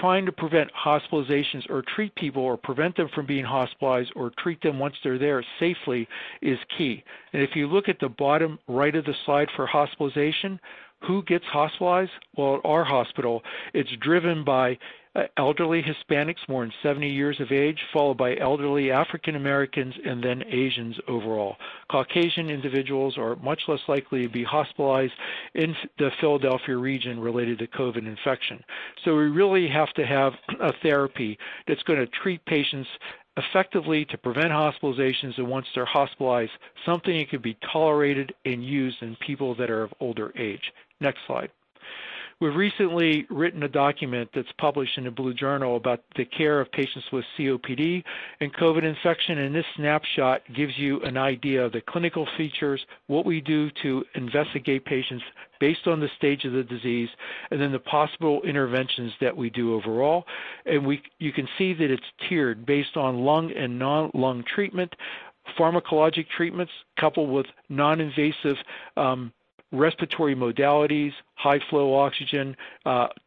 Trying to prevent hospitalizations or treat people or prevent them from being hospitalized or treat them once they're there safely is key. If you look at the bottom right of the slide for hospitalization, who gets hospitalized? Well, at our hospital, it's driven by elderly Hispanics more than 70 years of age, followed by elderly African Americans, and then Asians overall. Caucasian individuals are much less likely to be hospitalized in the Philadelphia region related to COVID infection. We really have to have a therapy that's going to treat patients effectively to prevent hospitalizations, and once they're hospitalized, something that can be tolerated and used in people that are of older age. Next slide. We've recently written a document that's published in the Blue Journal about the care of patients with COPD and COVID infection, this snapshot gives you an idea of the clinical features, what we do to investigate patients based on the stage of the disease, the possible interventions that we do overall. You can see that it's tiered based on lung and non-lung treatment, pharmacologic treatments coupled with non-invasive respiratory modalities, high-flow oxygen,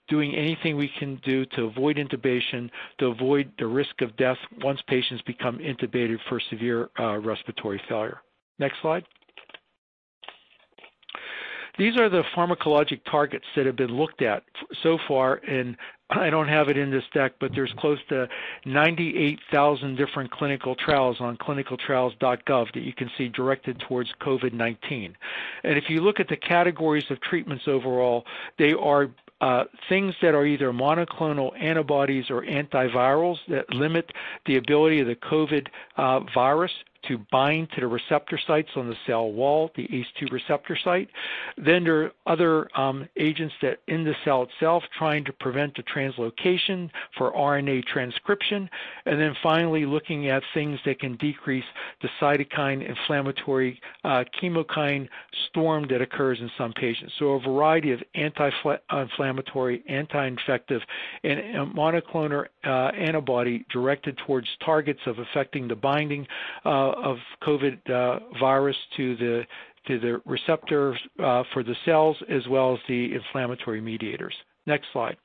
doing anything we can do to avoid intubation, to avoid the risk of death once patients become intubated for severe respiratory failure. Next slide. These are the pharmacologic targets that have been looked at so far, and I don't have it in this deck, but there's close to 98,000 different clinical trials on ClinicalTrials.gov that you can see directed towards COVID-19. If you look at the categories of treatments overall, they are things that are either monoclonal antibodies or antivirals that limit the ability of the COVID virus to bind to the receptor sites on the cell wall, the ACE2 receptor site. There are other agents that in the cell itself trying to prevent the translocation for RNA transcription. Finally looking at things that can decrease the cytokine inflammatory chemokine storm that occurs in some patients. A variety of anti-inflammatory, anti-infective, and monoclonal antibody directed towards targets of affecting the binding of COVID virus to the receptors for the cells as well as the inflammatory mediators. Next slide.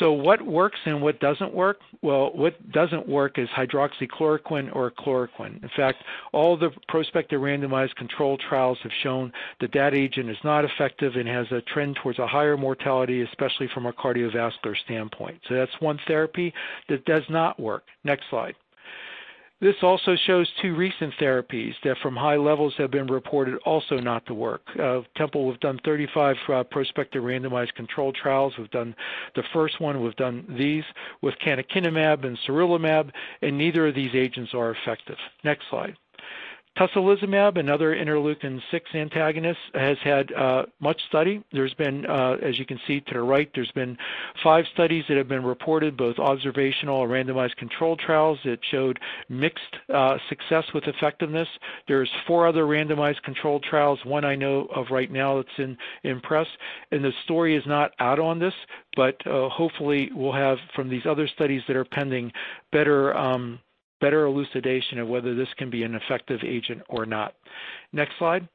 What works and what doesn't work? Well, what doesn't work is hydroxychloroquine or chloroquine. In fact, all the prospective randomized control trials have shown that that agent is not effective and has a trend towards a higher mortality, especially from a cardiovascular standpoint. That's one therapy that does not work. Next slide. This also shows two recent therapies that from high levels have been reported also not to work. At Temple, we've done 35 prospective randomized control trials. We've done the first one, we've done these with canakinumab and sarilumab, and neither of these agents are effective. Next slide. Tocilizumab, another interleukin-6 antagonist, has had much study. As you can see to the right, there's been five studies that have been reported, both observational and randomized control trials that showed mixed success with effectiveness. There's four other randomized controlled trials, one I know of right now that's in press. The story is not out on this, but hopefully we'll have from these other studies that are pending better elucidation of whether this can be an effective agent or not. Next slide.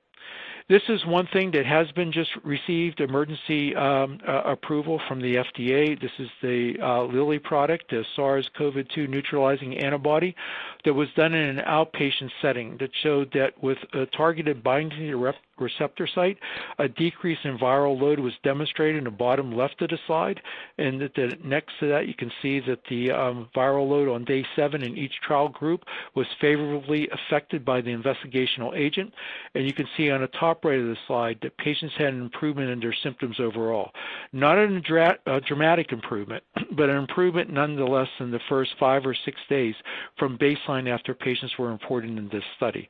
This is one thing that has been just received emergency approval from the FDA. This is the Lilly product, the SARS-CoV-2 neutralizing antibody that was done in an outpatient setting that showed that with a targeted binding to the receptor site, a decrease in viral load was demonstrated in the bottom left of the slide. Next to that, you can see that the viral load on day 7 in each trial group was favorably affected by the investigational agent. You can see on the top right of the slide that patients had an improvement in their symptoms overall. Not a dramatic improvement, but an improvement nonetheless in the first five or six days from baseline after patients were imported in this study.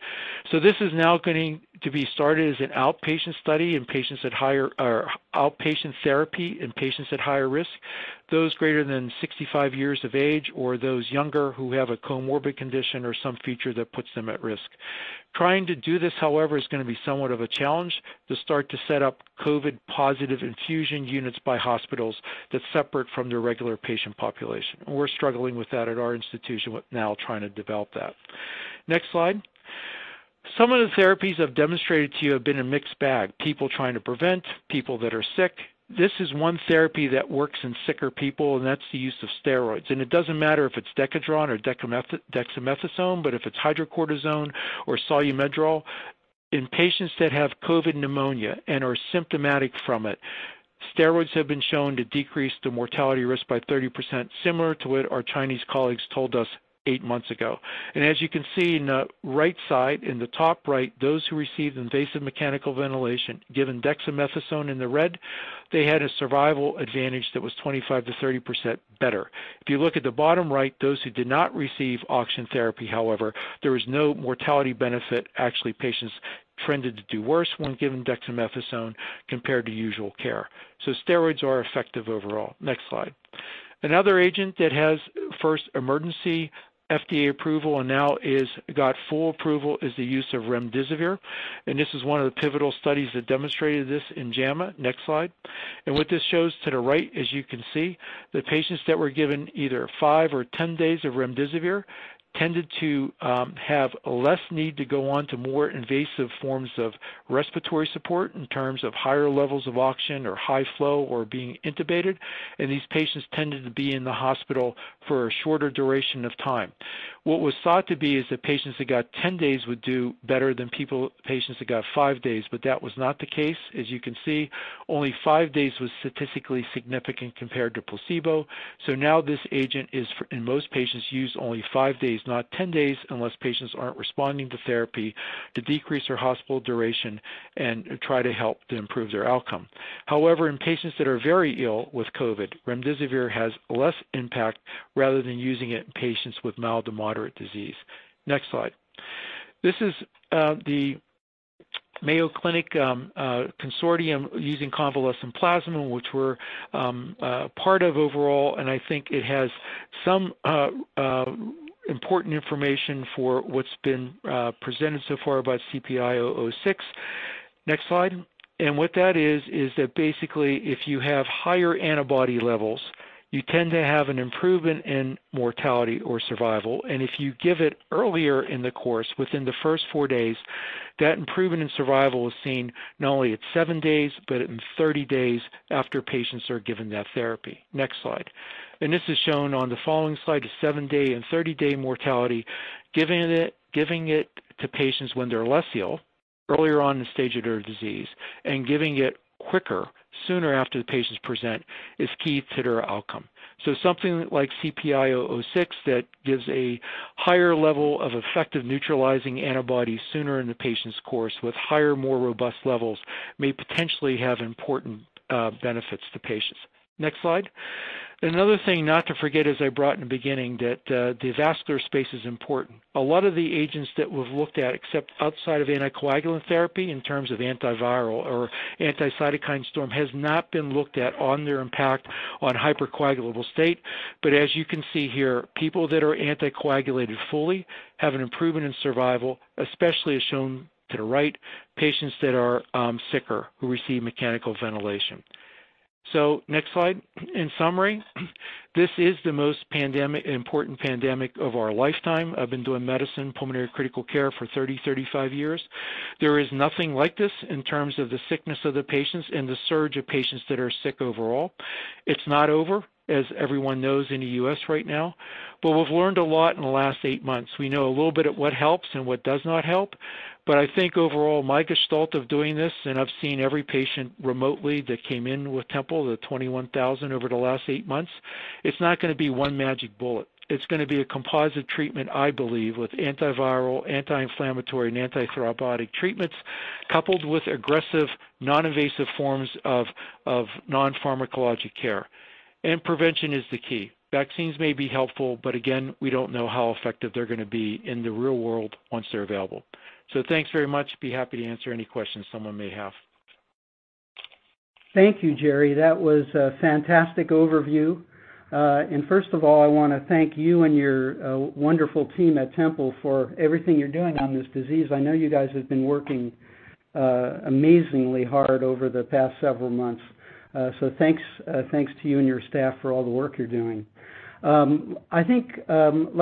This is now going to be started as an outpatient study in patients or outpatient therapy in patients at higher risk, those greater than 65 years of age or those younger who have a comorbid condition or some feature that puts them at risk. Trying to do this, however, is going to be somewhat of a challenge to start to set up COVID positive infusion units by hospitals that’s separate from their regular patient population. We’re struggling with that at our institution now trying to develop that. Next slide. Some of the therapies I’ve demonstrated to you have been a mixed bag. People trying to prevent, people that are sick. This is one therapy that works in sicker people, and that's the use of steroids. It doesn't matter if it's Decadron or dexamethasone, but if it's hydrocortisone or SOLU-MEDROL. In patients that have COVID pneumonia and are symptomatic from it, steroids have been shown to decrease the mortality risk by 30%, similar to what our Chinese colleagues told us eight months ago. As you can see in the right side, in the top right, those who received invasive mechanical ventilation given dexamethasone in the red, they had a survival advantage that was 25%-30% better. If you look at the bottom right, those who did not receive oxygen therapy, however, there was no mortality benefit. Actually, patients tended to do worse when given dexamethasone compared to usual care. Steroids are effective overall. Next slide. Another agent that has first emergency FDA approval and now is got full approval is the use of remdesivir, this is one of the pivotal studies that demonstrated this in JAMA. Next slide. What this shows to the right, as you can see, the patients that were given either 5 or 10 days of remdesivir tended to have less need to go on to more invasive forms of respiratory support in terms of higher levels of oxygen or high flow or being intubated. These patients tended to be in the hospital for a shorter duration of time. What was thought to be is that patients that got 10 days would do better than patients that got 5 days, that was not the case. As you can see, only five days was statistically significant compared to placebo. Now this agent is in most patients used only 5 days, not 10 days, unless patients aren't responding to therapy to decrease their hospital duration and try to help to improve their outcome. However, in patients that are very ill with COVID-19, remdesivir has less impact rather than using it in patients with mild to moderate disease. Next slide. This is the Mayo Clinic consortium using convalescent plasma, which we're part of overall, and I think it has some important information for what's been presented so far about CPI-006. Next slide. What that is that basically if you have higher antibody levels, you tend to have an improvement in mortality or survival. If you give it earlier in the course within the first four days, that improvement in survival is seen not only at 7 days but in 30 days after patients are given that therapy. Next slide. This is shown on the following slide, the 7-day and 30-day mortality. Giving it to patients when they're less ill earlier on in the stage of their disease and giving it quicker, sooner after the patients present is key to their outcome. Something like CPI-006 that gives a higher level of effective neutralizing antibodies sooner in the patient's course with higher more robust levels may potentially have important benefits to patients. Next slide. Another thing not to forget as I brought in the beginning that the vascular space is important. A lot of the agents that we've looked at except outside of anticoagulant therapy in terms of antiviral or anti-cytokine storm has not been looked at on their impact on hypercoagulable state. As you can see here, people that are anticoagulated fully have an improvement in survival, especially as shown to the right, patients that are sicker who receive mechanical ventilation. Next slide. In summary, this is the most important pandemic of our lifetime. I've been doing medicine, pulmonary critical care for 30-35 years. There is nothing like this in terms of the sickness of the patients and the surge of patients that are sick overall. It's not over, as everyone knows in the U.S. right now. We've learned a lot in the last eight months. We know a little bit at what helps and what does not help. I think overall my gestalt of doing this, and I've seen every patient remotely that came in with Temple University, the 21,000 over the last eight months, it's not going to be one magic bullet. It's going to be a composite treatment, I believe, with antiviral, anti-inflammatory, and antithrombotic treatments coupled with aggressive non-invasive forms of non-pharmacologic care. Prevention is the key. Vaccines may be helpful, but again, we don't know how effective they're going to be in the real world once they're available. Thanks very much. Be happy to answer any questions someone may have. Thank you, Gerry. That was a fantastic overview. First of all, I want to thank you and your wonderful team at Temple for everything you're doing on this disease. I know you guys have been working amazingly hard over the past several months. Thanks to you and your staff for all the work you're doing. I think people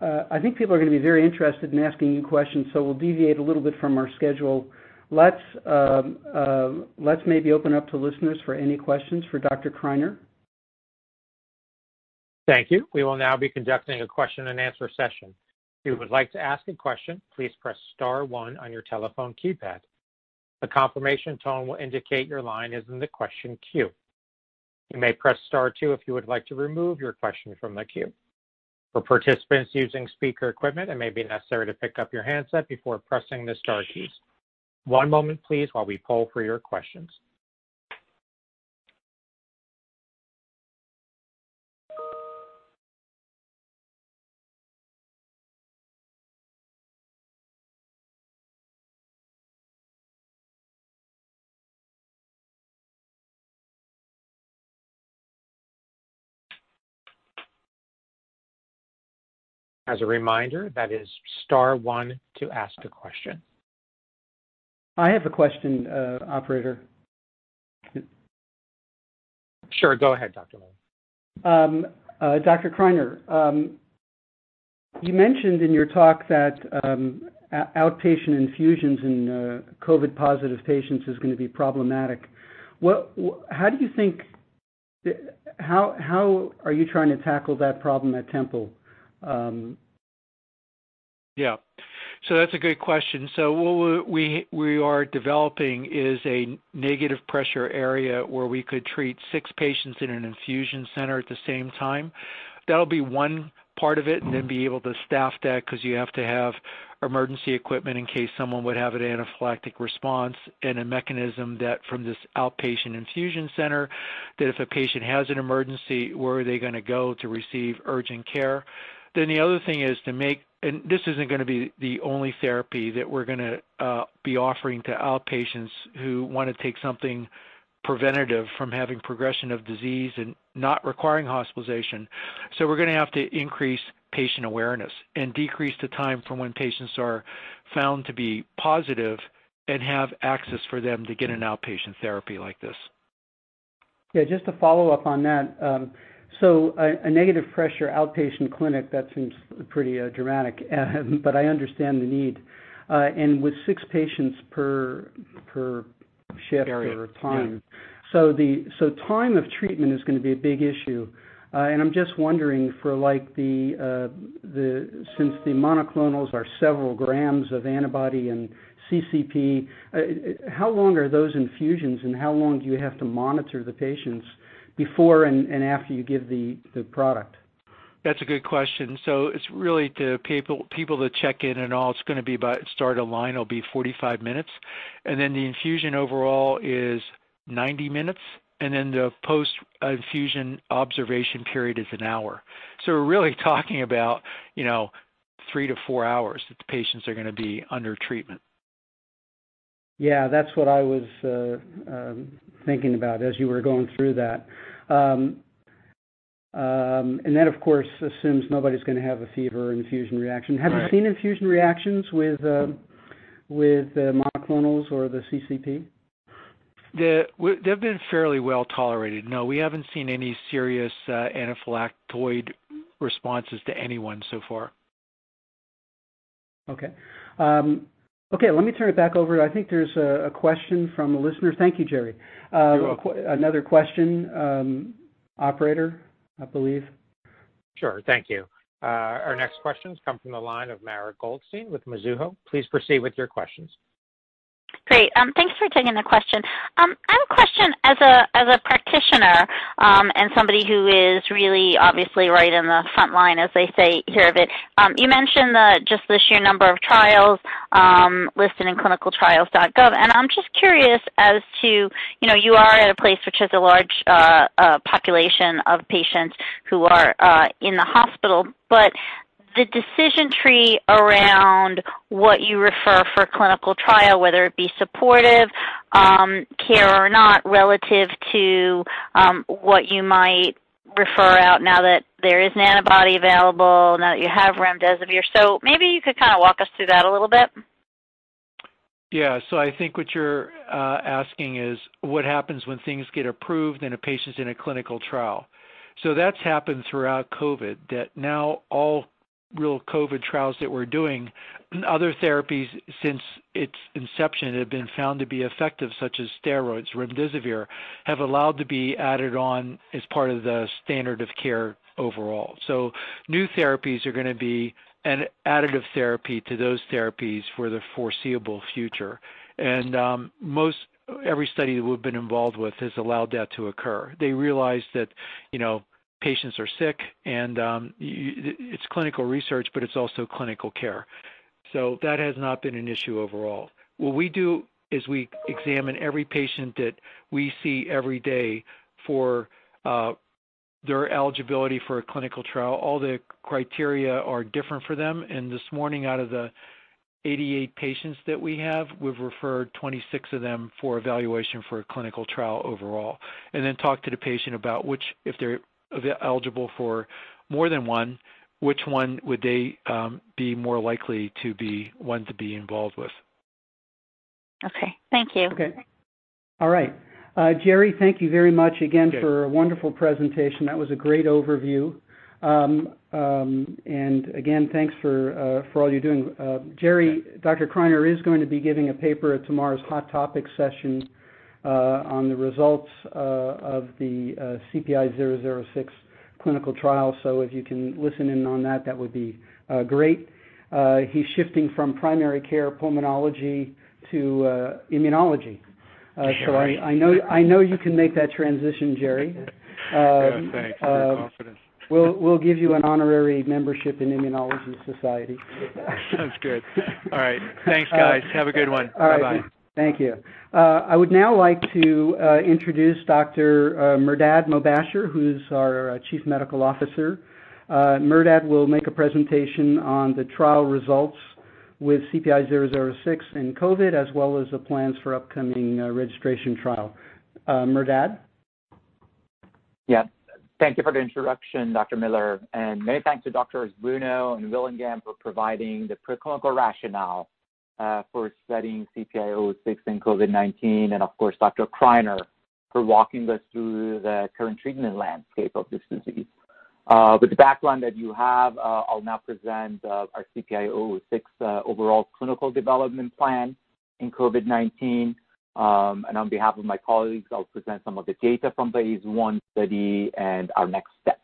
are going to be very interested in asking you questions, so we'll deviate a little bit from our schedule. Let's maybe open up to listeners for any questions for Dr. Criner. Thank you. We will now be conducting a question-and-answer session. If you would like to ask a question, please press star one on your telephone keypad. A confirmation tone will indicate your line is in the question queue. You may press star two if you would like to remove your question from the queue. For participants using speaker equipment, it may be necessary to pick up your handset before pressing the star keys. One moment, please, while we poll for your questions. As a reminder, that is star one to ask a question. I have a question, operator. Sure. Go ahead, Dr. Miller. Dr. Criner, you mentioned in your talk that outpatient infusions in COVID-positive patients is going to be problematic. How are you trying to tackle that problem at Temple? Yeah. That's a good question. What we are developing is a negative-pressure area where we could treat six patients in an infusion center at the same time. That'll be one part of it, and then be able to staff that because you have to have emergency equipment in case someone would have an anaphylactic response and a mechanism that from this outpatient infusion center, that if a patient has an emergency, where are they going to go to receive urgent care? The other thing is, this isn't going to be the only therapy that we're going to be offering to outpatients who want to take something preventative from having progression of disease and not requiring hospitalization. We're going to have to increase patient awareness and decrease the time from when patients are found to be positive and have access for them to get an outpatient therapy like this. Yeah, just to follow up on that. A negative-pressure outpatient clinic, that seems pretty dramatic but I understand the need. With six patients per shift. Area per time. Time of treatment is going to be a big issue. I'm just wondering, since the monoclonals are several grams of antibody and CCP, how long are those infusions and how long do you have to monitor the patients before and after you give the product? That's a good question. It's really the people that check in and all, start a line will be 45 minutes, and then the infusion overall is 90 minutes, and then the post-infusion observation period is an hour. We're really talking about three to four hours that the patients are going to be under treatment. Yeah, that's what I was thinking about as you were going through that. That, of course, assumes nobody's going to have a fever or infusion reaction. Right. Have you seen infusion reactions with monoclonals or the CCP? They've been fairly well tolerated. No, we haven't seen any serious anaphylactoid responses to anyone so far. Okay. Let me turn it back over. I think there's a question from a listener. Thank you, Gerry. You're welcome. Another question, operator, I believe. Sure. Thank you. Our next questions come from the line of Mara Goldstein with Mizuho. Please proceed with your questions. Great. Thanks for taking the question. I have a question as a practitioner and somebody who is really obviously right in the frontline, as they say here a bit. You mentioned just the sheer number of trials listed in ClinicalTrials.gov, and I'm just curious as to, you are at a place which has a large population of patients who are in the hospital, but the decision tree around what you refer for clinical trial, whether it be supportive care or not, relative to what you might refer out now that there is an antibody available, now that you have remdesivir. Maybe you could kind of walk us through that a little bit. I think what you're asking is what happens when things get approved and a patient's in a clinical trial. That's happened throughout COVID, that now all real COVID trials that we're doing, other therapies since its inception have been found to be effective, such as steroids, remdesivir, have allowed to be added on as part of the standard of care overall. New therapies are going to be an additive therapy to those therapies for the foreseeable future. Most every study we've been involved with has allowed that to occur. They realize that patients are sick and it's clinical research, but it's also clinical care. That has not been an issue overall. What we do is we examine every patient that we see every day for their eligibility for a clinical trial. All the criteria are different for them. This morning, out of the 88 patients that we have, we've referred 26 of them for evaluation for a clinical trial overall, then talk to the patient about which, if they're eligible for more than one, which one would they be more likely to be one to be involved with. Okay. Thank you. Okay. All right. Gerry, thank you very much again for a wonderful presentation. That was a great overview. Again, thanks for all you're doing. Gerry, Dr. Criner is going to be giving a paper at tomorrow's hot topic session on the results of the CPI-006 clinical trial. If you can listen in on that would be great. He's shifting from primary care pulmonology to immunology. Sure. I know you can make that transition, Gerard. Yeah, thanks for the confidence. We'll give you an honorary membership in The Immunology Society. Sounds good. All right. Thanks, guys. Have a good one. All right. Bye-bye. Thank you. I would now like to introduce Dr. Mehrdad Mobasher, who's our Chief Medical Officer. Mehrdad will make a presentation on the trial results with CPI-006 in COVID-19, as well as the plans for upcoming registration trial. Mehrdad? Yes. Thank you for the introduction, Dr. Miller. Many thanks to Doctors Bruno and Willingham for providing the preclinical rationale for studying CPI-006 in COVID-19. Of course, Dr. Criner for walking us through the current treatment landscape of this disease. With the background that you have, I'll now present our CPI-006 overall clinical development plan in COVID-19. On behalf of my colleagues, I'll present some of the data from phase I study and our next steps.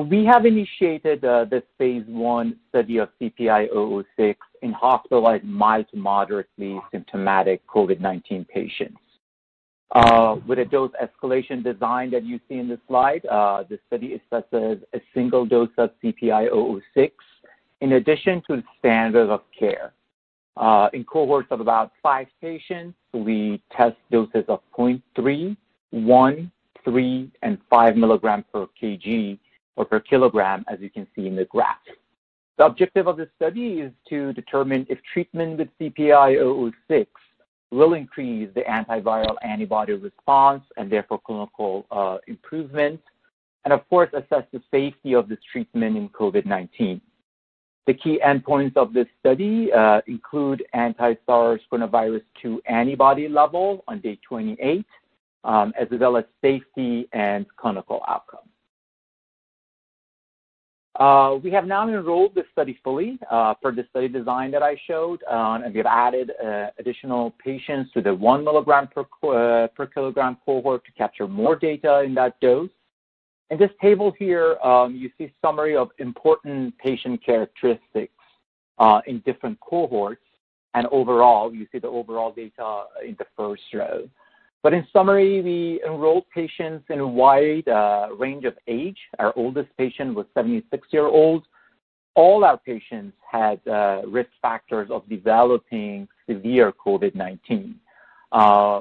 We have initiated this phase I study of CPI-006 in hospitalized mild to moderately symptomatic COVID-19 patients. With a dose escalation design that you see in the slide, the study assesses a single dose of CPI-006 in addition to standard of care. In cohorts of about five patients, we test doses of 0.3, 1, 3, and 5 mg/kg, or per kilogram, as you can see in the graph. The objective of this study is to determine if treatment with CPI-006 will increase the antiviral antibody response, and therefore clinical improvement, and of course, assess the safety of this treatment in COVID-19. The key endpoints of this study include anti-SARS-CoV-2 antibody level on day 28, as well as safety and clinical outcome. We have now enrolled this study fully for the study design that I showed and we've added additional patients to the 1 mg/kg cohort to capture more data in that dose. In this table here, you see summary of important patient characteristics in different cohorts. Overall, you see the overall data in the first row. In summary, we enrolled patients in a wide range of age. Our oldest patient was 76 years old. All our patients had risk factors of developing severe COVID-19,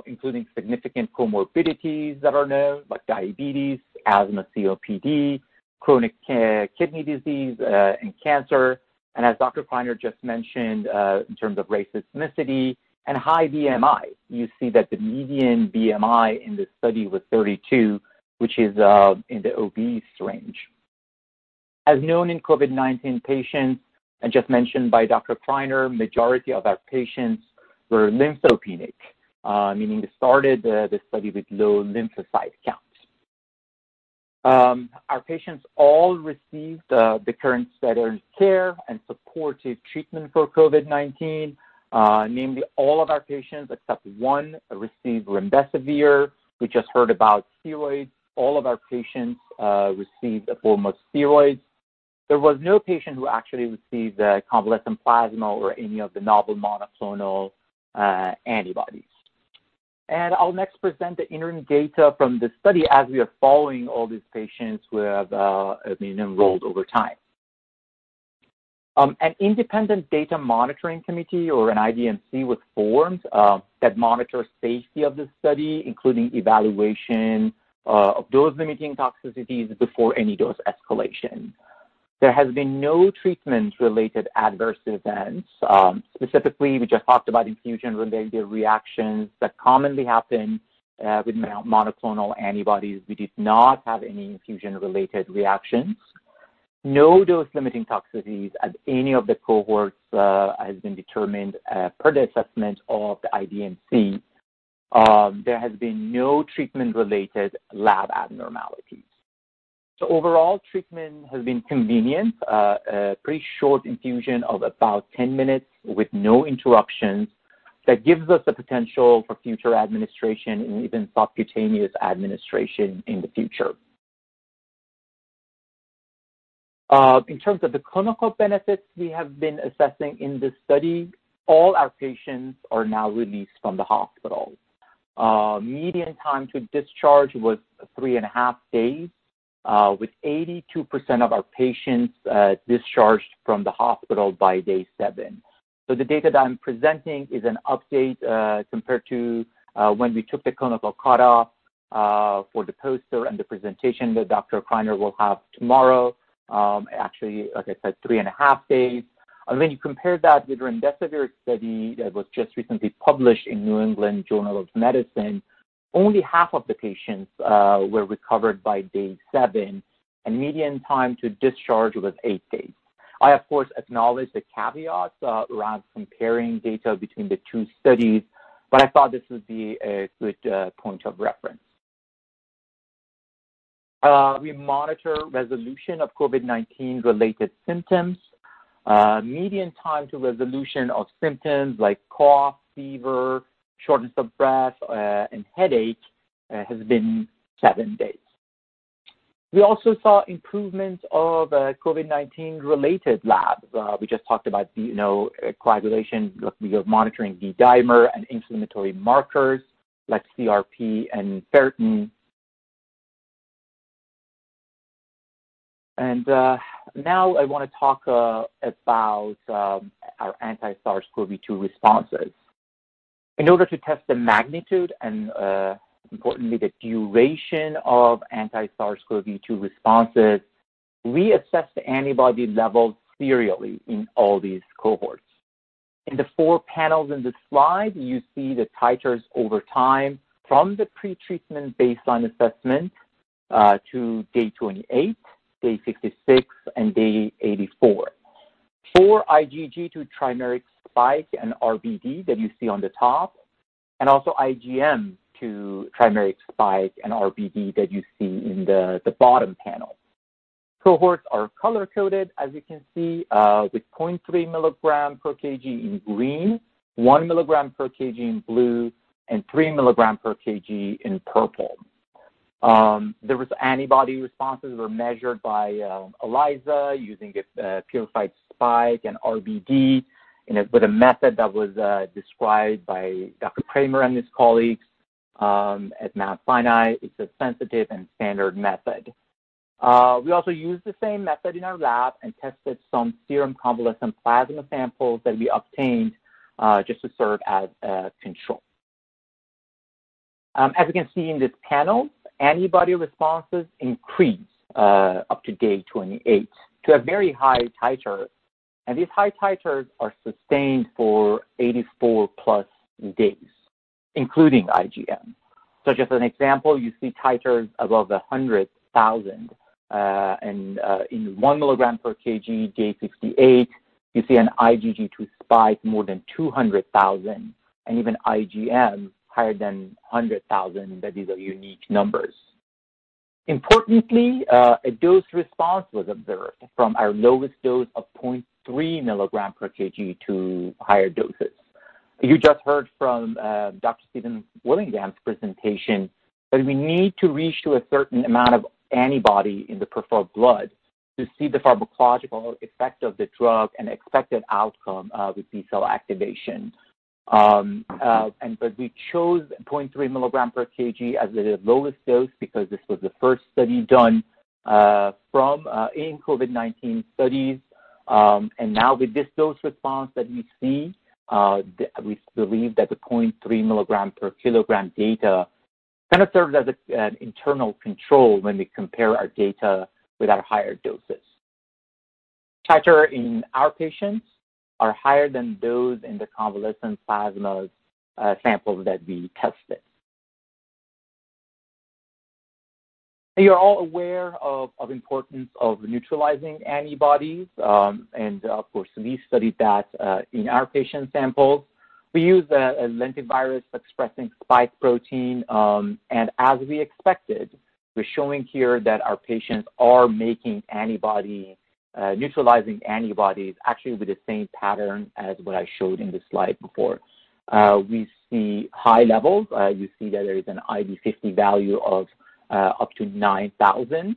including significant comorbidities that are known, like diabetes, asthma, COPD, chronic kidney disease and cancer. As Dr. Criner just mentioned, in terms of race, ethnicity, and high BMI. You see that the median BMI in this study was 32, which is in the obese range. As known in COVID-19 patients, and just mentioned by Dr. Criner, majority of our patients were lymphopenic, meaning they started the study with low lymphocyte counts. Our patients all received the current standard care and supportive treatment for COVID-19. Namely, all of our patients, except one, received remdesivir. We just heard about steroids. All of our patients received a form of steroids. There was no patient who actually received convalescent plasma or any of the novel monoclonal antibodies. I'll next present the interim data from the study as we are following all these patients who have been enrolled over time. An independent data monitoring committee, or an IDMC, was formed that monitors safety of the study, including evaluation of dose limiting toxicities before any dose escalation. There has been no treatment related adverse events. Specifically, we just talked about infusion related reactions that commonly happen with monoclonal antibodies. We did not have any infusion related reactions. No dose limiting toxicities at any of the cohorts has been determined per the assessment of the IDMC. There has been no treatment related lab abnormalities. Overall treatment has been convenient. A pretty short infusion of about 10 minutes with no interruptions. That gives us the potential for future administration and even subcutaneous administration in the future. In terms of the clinical benefits we have been assessing in this study, all our patients are now released from the hospital. Median time to discharge was 3.5 Days, with 82% of our patients discharged from the hospital by day 7. The data that I'm presenting is an update, compared to when we took the clinical cutoff for the poster and the presentation that Dr. Criner will have tomorrow. Actually, like I said, 3.5 days. When you compare that with remdesivir study that was just recently published in New England Journal of Medicine, only half of the patients were recovered by day 7, and median time to discharge was 8 days. I, of course, acknowledge the caveats around comparing data between the two studies, but I thought this would be a good point of reference. We monitor resolution of COVID-19 related symptoms. Median time to resolution of symptoms like cough, fever, shortness of breath, and headache has been 7 days. We also saw improvements of COVID-19 related labs. We just talked about coagulation. We are monitoring D-dimer and inflammatory markers like CRP and ferritin. Now I want to talk about our anti-SARS-CoV-2 responses. In order to test the magnitude, and importantly, the duration of anti-SARS-CoV-2 responses, we assessed the antibody levels serially in all these cohorts. In the four panels in this slide, you see the titers over time from the pretreatment baseline assessment to day 28, day 66, and day 84. For IgG to trimeric spike and RBD that you see on the top, and also IgM to trimeric spike and RBD that you see in the bottom panel. Cohorts are color-coded, as you can see, with 0.3 mg/kg in green, 1 mg/kg in blue, and 3 mg/kg in purple. The antibody responses were measured by ELISA using a purified spike and RBD, and with a method that was described by Dr. Krammer and his colleagues at MathFinite. It's a sensitive and standard method. We also used the same method in our lab and tested some serum convalescent plasma samples that we obtained, just to serve as a control. As we can see in this panel, antibody responses increase up to day 28 to a very high titer. These high titers are sustained for 84+ days, including IgM. Just an example, you see titers above 100,000. In 1 mg/kg, day 68, you see an IgG to spike more than 200,000, and even IgM higher than 100,000, that these are unique numbers. Importantly, a dose response was observed from our lowest dose of 0.3 mg/kg to higher doses. You just heard from Dr. Stephen Willingham's presentation that we need to reach to a certain amount of antibody in the peripheral blood to see the pharmacological effect of the drug and expected outcome with B cell activation. We chose 0.3 mg/kg as the lowest dose because this was the first study done in COVID-19 studies. Now with this dose response that we see, we believe that the 0.3 mg/kg data serves as an internal control when we compare our data with our higher doses. Titer in our patients are higher than those in the convalescent plasma samples that we tested. You're all aware of importance of neutralizing antibodies, and of course, we studied that in our patient samples. We used a lentivirus expressing spike protein. As we expected, we're showing here that our patients are making neutralizing antibodies, actually with the same pattern as what I showed in the slide before. We see high levels. You see that there is an ID50 value of up to 9,000.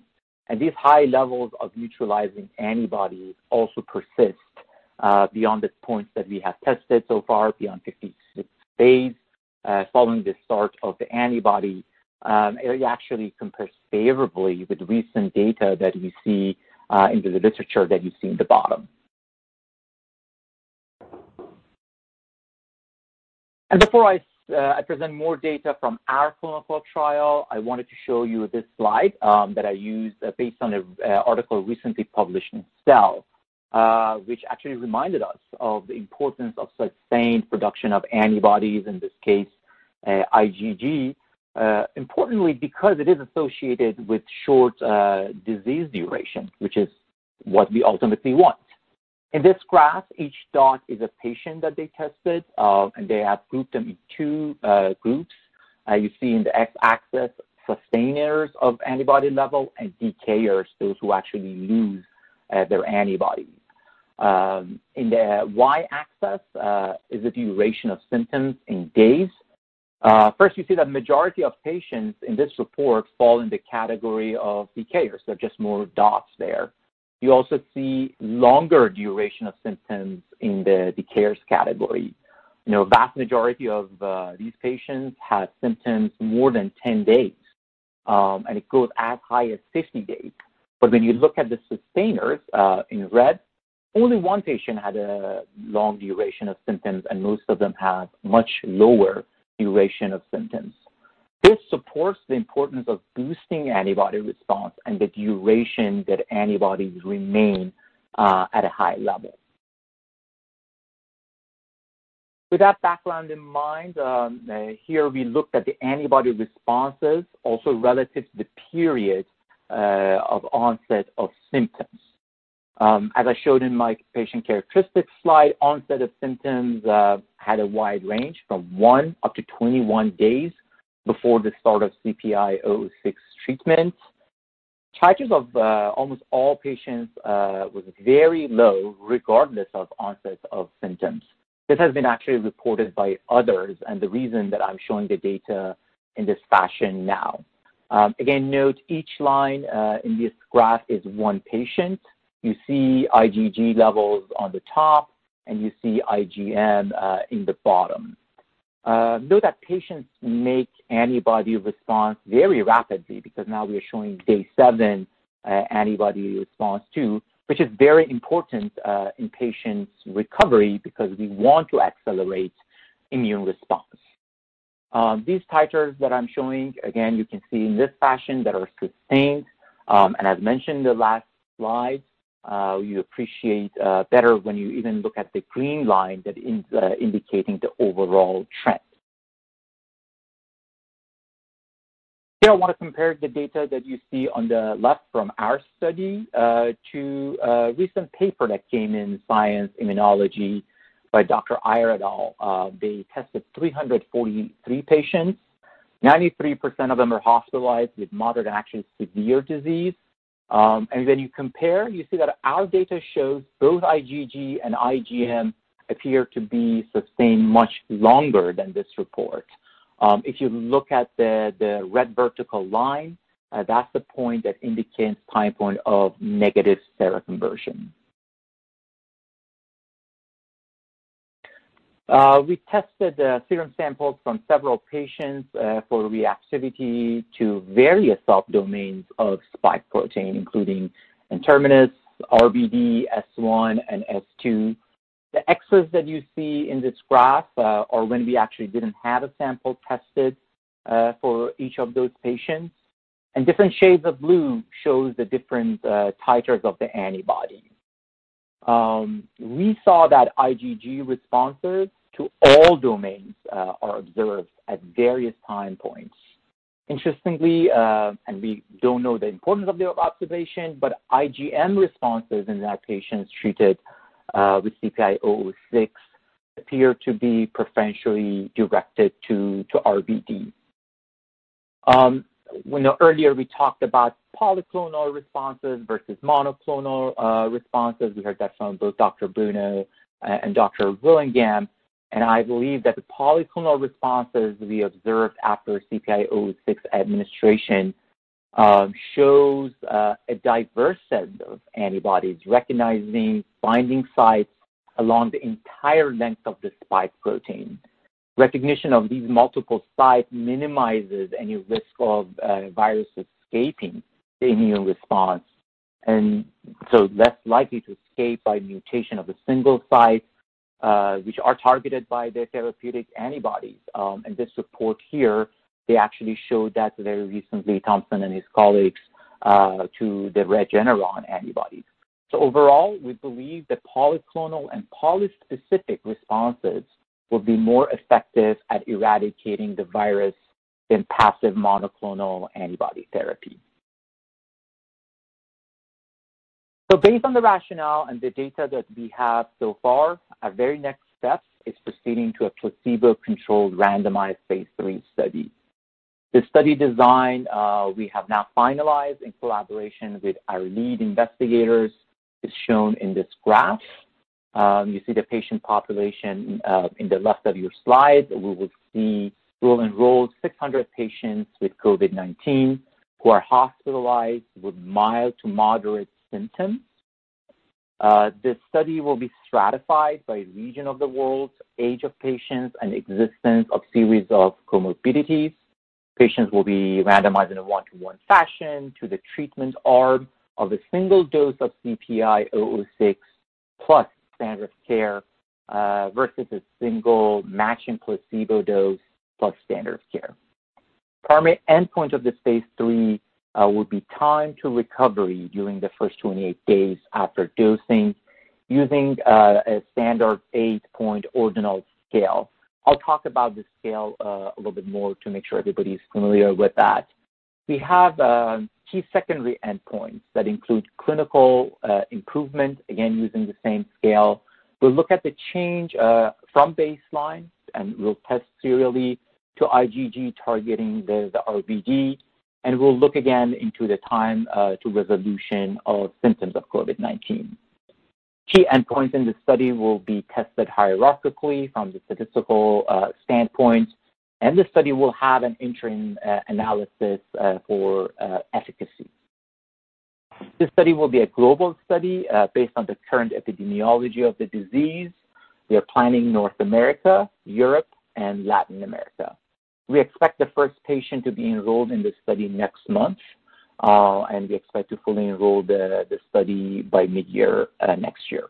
These high levels of neutralizing antibodies also persist beyond the points that we have tested so far, beyond 56 days following the start of the antibody. It actually compares favorably with recent data that we see in the literature that you see in the bottom. Before I present more data from our clinical trial, I wanted to show you this slide that I used based on an article recently published in Cell, which actually reminded us of the importance of sustained production of antibodies, in this case, IgG. Importantly, because it is associated with short disease duration, which is what we ultimately want. In this graph, each dot is a patient that they tested, and they have grouped them in 2 groups. You see in the X-axis, sustainers of antibody level and decayers, those who actually lose their antibodies. In the Y-axis is the duration of symptoms in days. First, you see that majority of patients in this report fall in the category of decayers. They're just more dots there. You also see longer duration of symptoms in the decayers category. A vast majority of these patients had symptoms more than 10 days, and it goes as high as 50 days. When you look at the sustainers in red, only one patient had a long duration of symptoms, and most of them had much lower duration of symptoms. This supports the importance of boosting antibody response and the duration that antibodies remain at a high level. With that background in mind, here we looked at the antibody responses also relative to the period of onset of symptoms. As I showed in my patient characteristics slide, onset of symptoms had a wide range from 1 up to 21 days before the start of CPI-006 treatment. Titers of almost all patients was very low, regardless of onset of symptoms. This has been actually reported by others, and the reason that I'm showing the data in this fashion now. Again, note each line in this graph is one patient. You see IgG levels on the top, and you see IgM in the bottom. Note that patients make antibody response very rapidly, because now we are showing day 7 antibody response too, which is very important in patients' recovery because we want to accelerate immune response. These titers that I'm showing, again, you can see in this fashion that are sustained. As mentioned in the last slide, you appreciate better when you even look at the green line that is indicating the overall trend. Here I want to compare the data that you see on the left from our study, to a recent paper that came in, Science Immunology, by Dr. Iyer et al. They tested 343 patients. 93% of them are hospitalized with moderate to actually severe disease. When you compare, you see that our data shows both IgG and IgM appear to be sustained much longer than this report. If you look at the red vertical line, that's the point that indicates time point of negative seroconversion. We tested serum samples from several patients for reactivity to various subdomains of spike protein, including N-terminus, RBD, S1, and S2. The X's that you see in this graph are when we actually didn't have a sample tested for each of those patients. Different shades of blue shows the different titers of the antibody. We saw that IgG responses to all domains are observed at various time points. Interestingly, and we don't know the importance of the observation, but IgM responses in that patient treated with CPI-006 appear to be preferentially directed to RBD. Earlier we talked about polyclonal responses versus monoclonal responses. We heard that from both Dr. Bruno and Dr. Willingham. I believe that the polyclonal responses we observed after CPI-006 administration shows a diverse set of antibodies recognizing binding sites along the entire length of the spike protein. Recognition of these multiple sites minimizes any risk of a virus escaping the immune response, less likely to escape by mutation of a single site, which are targeted by the therapeutic antibodies. This support here, they actually showed that very recently, Thompson and his colleagues, to the Regeneron antibodies. Overall, we believe that polyclonal and polyspecific responses will be more effective at eradicating the virus than passive monoclonal antibody therapy. Based on the rationale and the data that we have so far, our very next step is proceeding to a placebo-controlled randomized phase III study. The study design we have now finalized in collaboration with our lead investigators is shown in this graph. You see the patient population in the left of your slide. We will enroll 600 patients with COVID-19 who are hospitalized with mild to moderate symptoms. This study will be stratified by region of the world, age of patients, and existence of series of comorbidities. Patients will be randomized in a 1:1 fashion to the treatment arm of a single dose of CPI-006 plus standard care, versus a single matching placebo dose plus standard care. Primary endpoint of this phase III will be time to recovery during the first 28 days after dosing using a standard 8-point ordinal scale. I'll talk about this scale a little bit more to make sure everybody's familiar with that. We have key secondary endpoints that include clinical improvement, again, using the same scale. We'll look at the change from baseline, we'll test serially to IgG targeting the RBD, we'll look again into the time to resolution of symptoms of COVID-19. Key endpoints in this study will be tested hierarchically from the statistical standpoint, this study will have an interim analysis for efficacy. This study will be a global study, based on the current epidemiology of the disease. We are planning North America, Europe, and Latin America. We expect the first patient to be enrolled in this study next month, we expect to fully enroll the study by mid-year next year.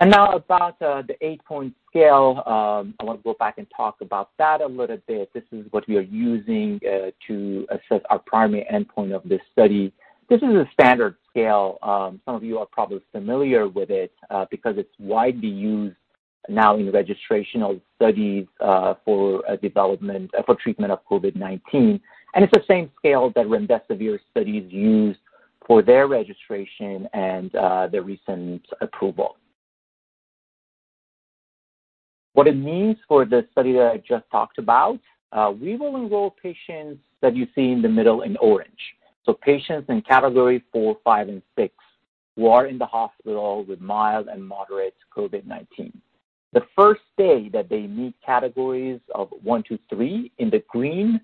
Now about the 8-point scale. I want to go back and talk about that a little bit. This is what we are using to assess our primary endpoint of this study. This is a standard scale. Some of you are probably familiar with it because it's widely used now in registrational studies for development for treatment of COVID-19. It's the same scale that remdesivir studies used for their registration and their recent approval. What it means for the study that I just talked about, we will enroll patients that you see in the middle in orange. Patients in category 4, 5, and 6 who are in the hospital with mild and moderate COVID-19. The first day that they meet categories of 1, 2, 3 in the green,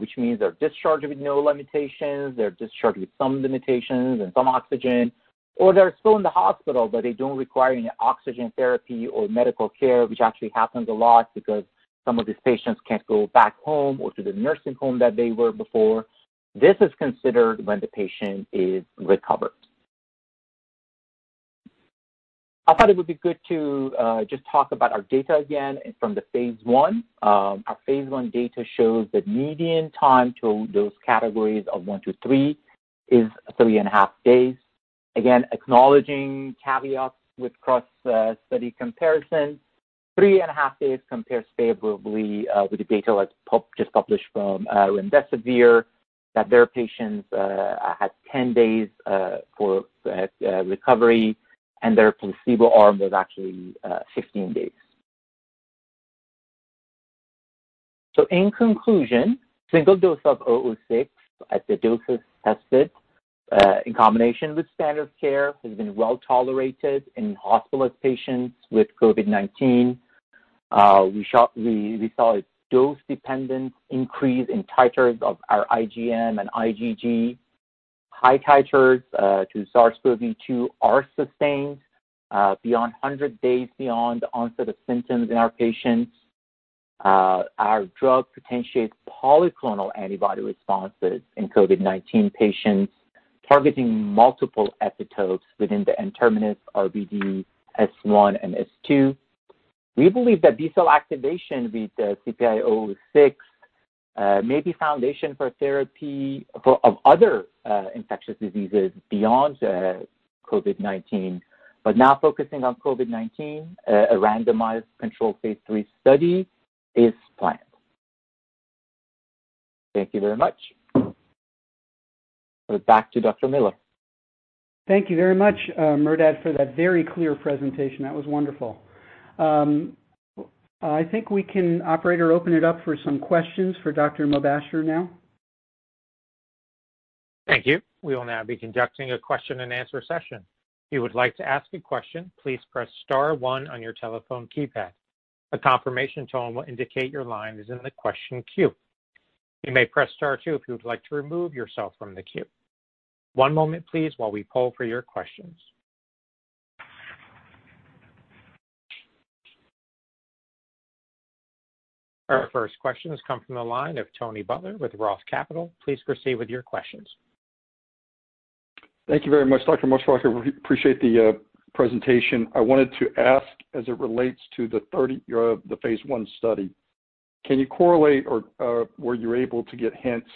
which means they're discharged with no limitations, they're discharged with some limitations and some oxygen, or they're still in the hospital, but they don't require any oxygen therapy or medical care, which actually happens a lot because some of these patients can't go back home or to the nursing home that they were before. This is considered when the patient is recovered. I thought it would be good to just talk about our data again from the phase I. Our phase I data shows that median time to those categories of 1 to 3 is 3.5 days. Again, acknowledging caveats with cross-study comparisons. 3.5 days compares favorably with the data just published from remdesivir, that their patients had 10 days for recovery, and their placebo arm was actually 16 days. In conclusion, single dose of CPI-006 at the doses tested, in combination with standard care, has been well-tolerated in hospitalized patients with COVID-19. We saw a dose-dependent increase in titers of our IgM and IgG. High titers to SARS-CoV-2 are sustained beyond 100 days beyond onset of symptoms in our patients. Our drug potentiates polyclonal antibody responses in COVID-19 patients, targeting multiple epitopes within the N-terminus, RBD, S1, and S2. We believe that B-cell activation with CPI-006 may be foundation for therapy of other infectious diseases beyond COVID-19. Now focusing on COVID-19, a randomized controlled phase III study is planned. Thank you very much. Back to Dr. Miller. Thank you very much, Mehrdad, for that very clear presentation. That was wonderful. I think we can, operator, open it up for some questions for Dr. Mobasher now. Thank you. We will now be conducting a question-and-answer session. If you would like to ask a question, please press star one on your telephone keypad. A confirmation tone will indicate your line is in the question queue. You may press star two if you would like to remove yourself from the queue. One moment, please, while we poll for your questions. Our first question has come from the line of Tony Butler with ROTH Capital. Please proceed with your questions. Thank you very much, Dr. Mobasher. I appreciate the presentation. I wanted to ask, as it relates to the phase I study, can you correlate or were you able to get hints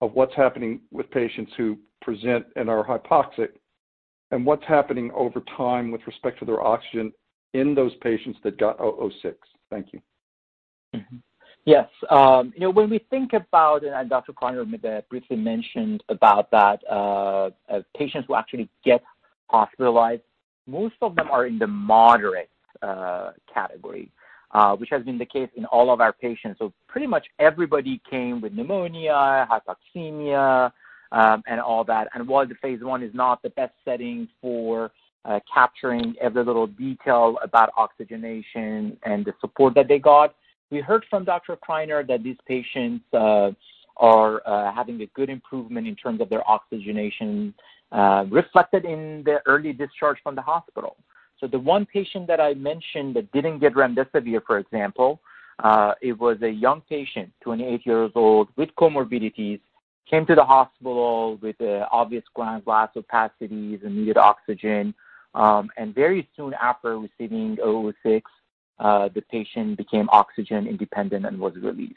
of what's happening with patients who present and are hypoxic, and what's happening over time with respect to their oxygen in those patients that got CPI-006? Thank you. Yes. When we think about, and Dr. Criner briefly mentioned about that, patients who actually get hospitalized, most of them are in the moderate category, which has been the case in all of our patients. Pretty much everybody came with pneumonia, hypoxemia, and all that. While the phase I is not the best setting for capturing every little detail about oxygenation and the support that they got, we heard from Dr. Criner that these patients are having a good improvement in terms of their oxygenation, reflected in their early discharge from the hospital. The one patient that I mentioned that didn't get remdesivir, for example, it was a young patient, 28 years old with comorbidities, came to the hospital with obvious ground-glass opacities and needed oxygen. Very soon after receiving CPI-006, the patient became oxygen independent and was released.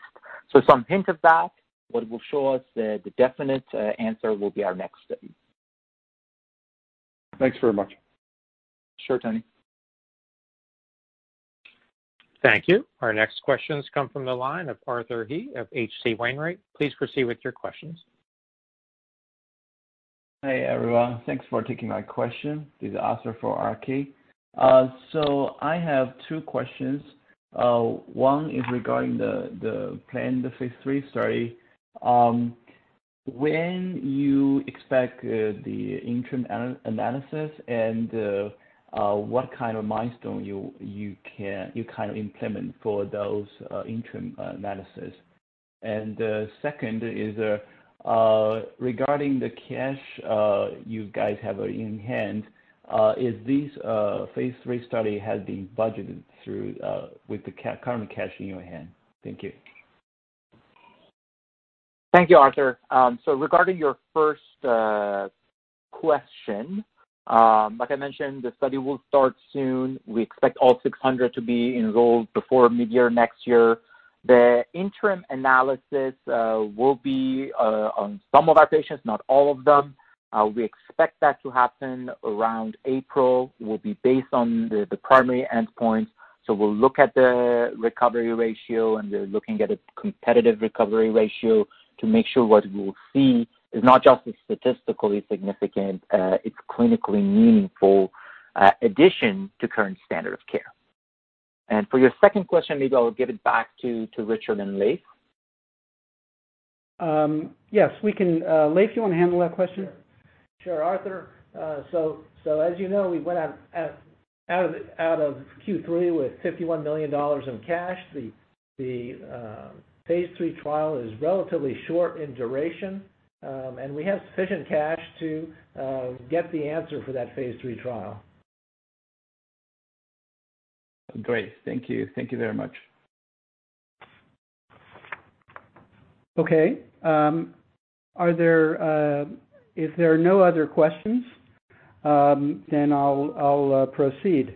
Some hint of that, but it will show us the definite answer will be our next study. Thanks very much. Sure, Tony. Thank you. Our next questions come from the line of Arthur He of H.C. Wainwright. Please proceed with your questions. Hi, everyone. Thanks for taking my question. This is Arthur He for RK. I have two questions. One is regarding the plan, the phase III study. When you expect the interim analysis, what kind of milestone you can implement for those interim analysis? Second is regarding the cash you guys have in hand. Is this phase III study has been budgeted through with the current cash in your hand? Thank you. Thank you, Arthur. Regarding your first question, like I mentioned, the study will start soon. We expect all 600 to be enrolled before mid-year next year. The interim analysis will be on some of our patients, not all of them. We expect that to happen around April, will be based on the primary endpoints. We'll look at the recovery ratio, and we're looking at a competitive recovery ratio to make sure what we will see is not just a statistically significant, it's clinically meaningful addition to current standard of care. For your second question, maybe I'll give it back to Richard and Leiv. Yes, we can. Leiv do you want to handle that question? Sure, Arthur. As you know, we went out of Q3 with $51 million in cash. The phase III trial is relatively short in duration. We have sufficient cash to get the answer for that phase III trial. Great. Thank you. Thank you very much. Okay. If there are no other questions, I'll proceed.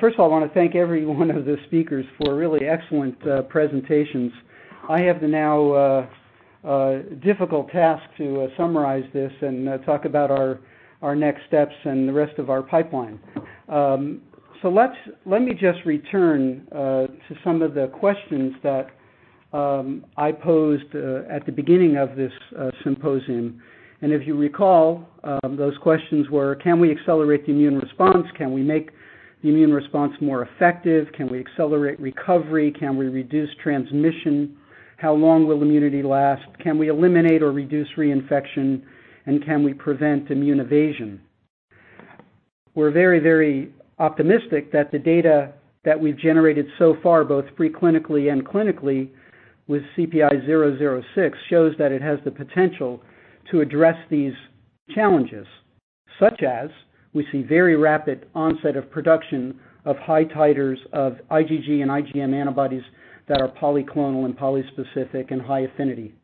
First of all, I want to thank every one of the speakers for really excellent presentations. I have the now difficult task to summarize this and talk about our next steps and the rest of our pipeline. Let me just return to some of the questions that I posed at the beginning of this symposium. If you recall, those questions were: Can we accelerate the immune response? Can we make the immune response more effective? Can we accelerate recovery? Can we reduce transmission? How long will immunity last? Can we eliminate or reduce reinfection? Can we prevent immune evasion? We're very optimistic that the data that we've generated so far, both pre-clinically and clinically with CPI-006, shows that it has the potential to address these challenges, such as we see very rapid onset of production of high titers of IgG and IgM antibodies that are polyclonal and polyspecific and high affinity,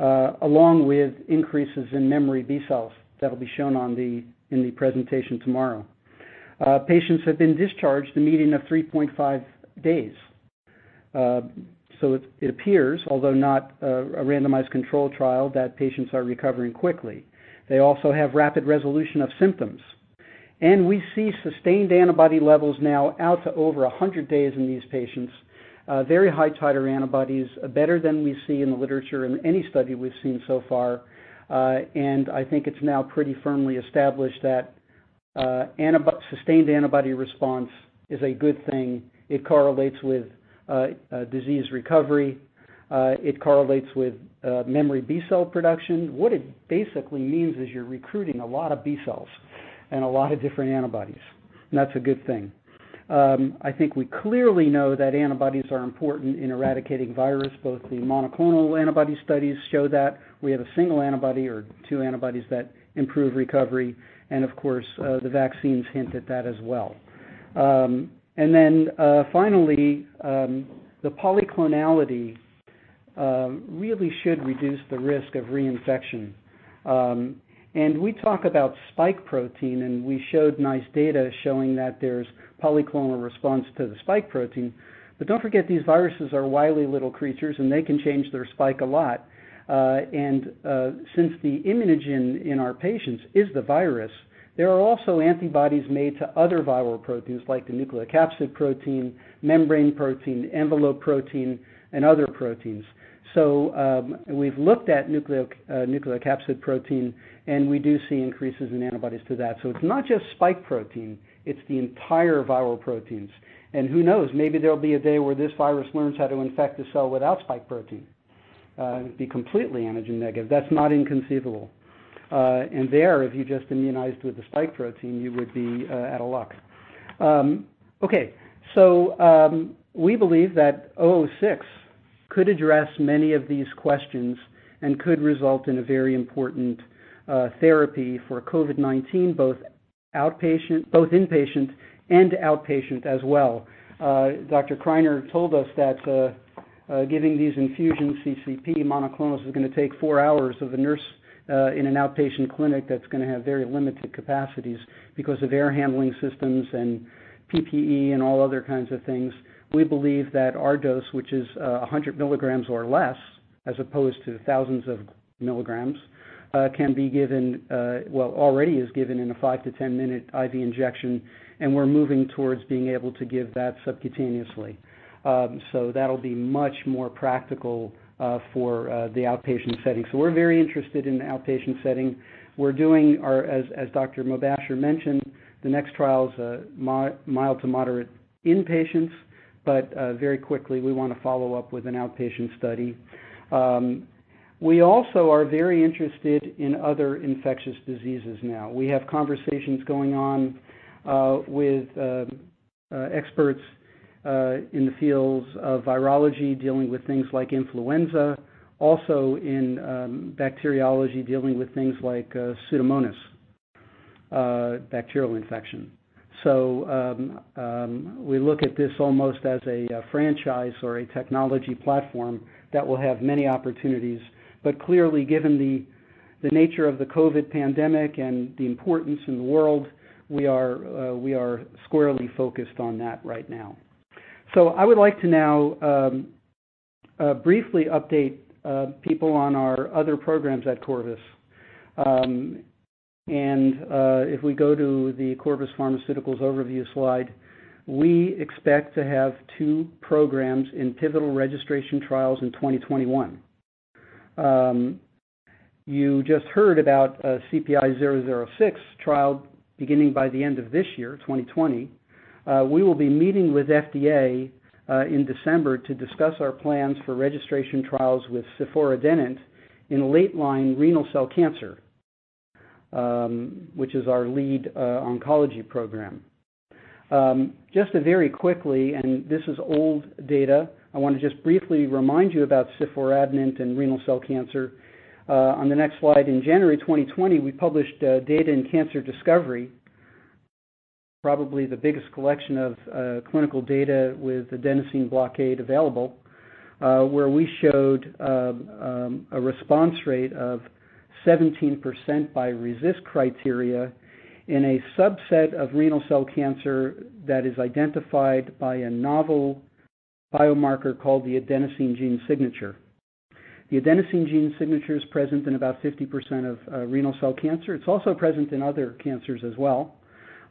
along with increases in memory B cells that'll be shown in the presentation tomorrow. Patients have been discharged in a median of 3.5 days. It appears, although not a randomized control trial, that patients are recovering quickly. They also have rapid resolution of symptoms. We see sustained antibody levels now out to over 100 days in these patients. Very high titer antibodies, better than we see in the literature in any study we've seen so far. I think it's now pretty firmly established that sustained antibody response is a good thing. It correlates with disease recovery. It correlates with memory B-cell production. What it basically means is you're recruiting a lot of B cells and a lot of different antibodies, and that's a good thing. I think we clearly know that antibodies are important in eradicating virus, both the monoclonal antibody studies show that we have a single antibody or two antibodies that improve recovery, and of course, the vaccines hint at that as well. Then finally, the polyclonal really should reduce the risk of reinfection. We talk about spike protein, and we showed nice data showing that there's polyclonal response to the spike protein. Don't forget, these viruses are wily little creatures, and they can change their spike a lot. Since the immunogen in our patients is the virus, there are also antibodies made to other viral proteins, like the nucleocapsid protein, membrane protein, envelope protein, and other proteins. We've looked at nucleocapsid protein, and we do see increases in antibodies to that. It's not just spike protein, it's the entire viral proteins. Who knows? Maybe there'll be a day where this virus learns how to infect a cell without spike protein. It'd be completely antigen negative. That's not inconceivable. There, if you just immunized with the spike protein, you would be out of luck. Okay. We believe that CPI-006 could address many of these questions and could result in a very important therapy for COVID-19, both inpatient and outpatient as well. Dr. Criner told us that giving these infusion CCP monoclonals is going to take 4 hours of a nurse in an outpatient clinic that's going to have very limited capacities because of air handling systems and PPE and all other kinds of things. We believe that our dose, which is 100 milligrams or less, as opposed to thousands of milligrams, can be given, well, already is given in a 5- to 10-minute IV injection, and we're moving towards being able to give that subcutaneously. That'll be much more practical for the outpatient setting. We're very interested in the outpatient setting. We're doing our, as Dr. Mobasher mentioned, the next trial is mild to moderate inpatients, but very quickly we want to follow up with an outpatient study. We also are very interested in other infectious diseases now. We have conversations going on with experts in the fields of virology, dealing with things like influenza. Also in bacteriology, dealing with things like Pseudomonas bacterial infection. We look at this almost as a franchise or a technology platform that will have many opportunities. Clearly, given the nature of the COVID pandemic and the importance in the world, we are squarely focused on that right now. I would like to now briefly update people on our other programs at Corvus. If we go to the Corvus Pharmaceuticals overview slide, we expect to have two programs in pivotal registration trials in 2021. You just heard about CPI-006 trial beginning by the end of this year, 2020. We will be meeting with FDA in December to discuss our plans for registration trials with ciforadenant in late-line renal cell cancer, which is our lead oncology program. Just very quickly, this is old data, I want to just briefly remind you about ciforadenant and renal cell cancer. On the next slide, in January 2020, we published data in Cancer Discovery. The biggest collection of clinical data with adenosine blockade available, where we showed a response rate of 17% by RECIST criteria in a subset of renal cell cancer that is identified by a novel biomarker called the adenosine gene signature. The adenosine gene signature is present in about 50% of renal cell cancer. It's also present in other cancers as well.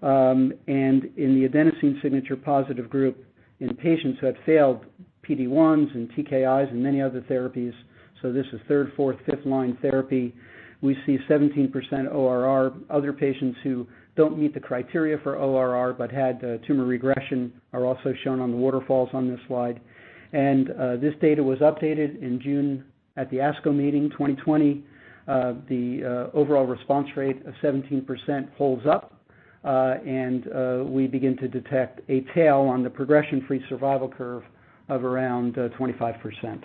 In the adenosine signature-positive group in patients who have failed PD-1s and TKIs and many other therapies, so this is 3rd-, 4th-, 5th-line therapy, we see 17% ORR. Other patients who don't meet the criteria for ORR but had tumor regression are also shown on the waterfalls on this slide. This data was updated in June at the ASCO meeting 2020. The overall response rate of 17% holds up, we begin to detect a tail on the progression-free survival curve of around 25%.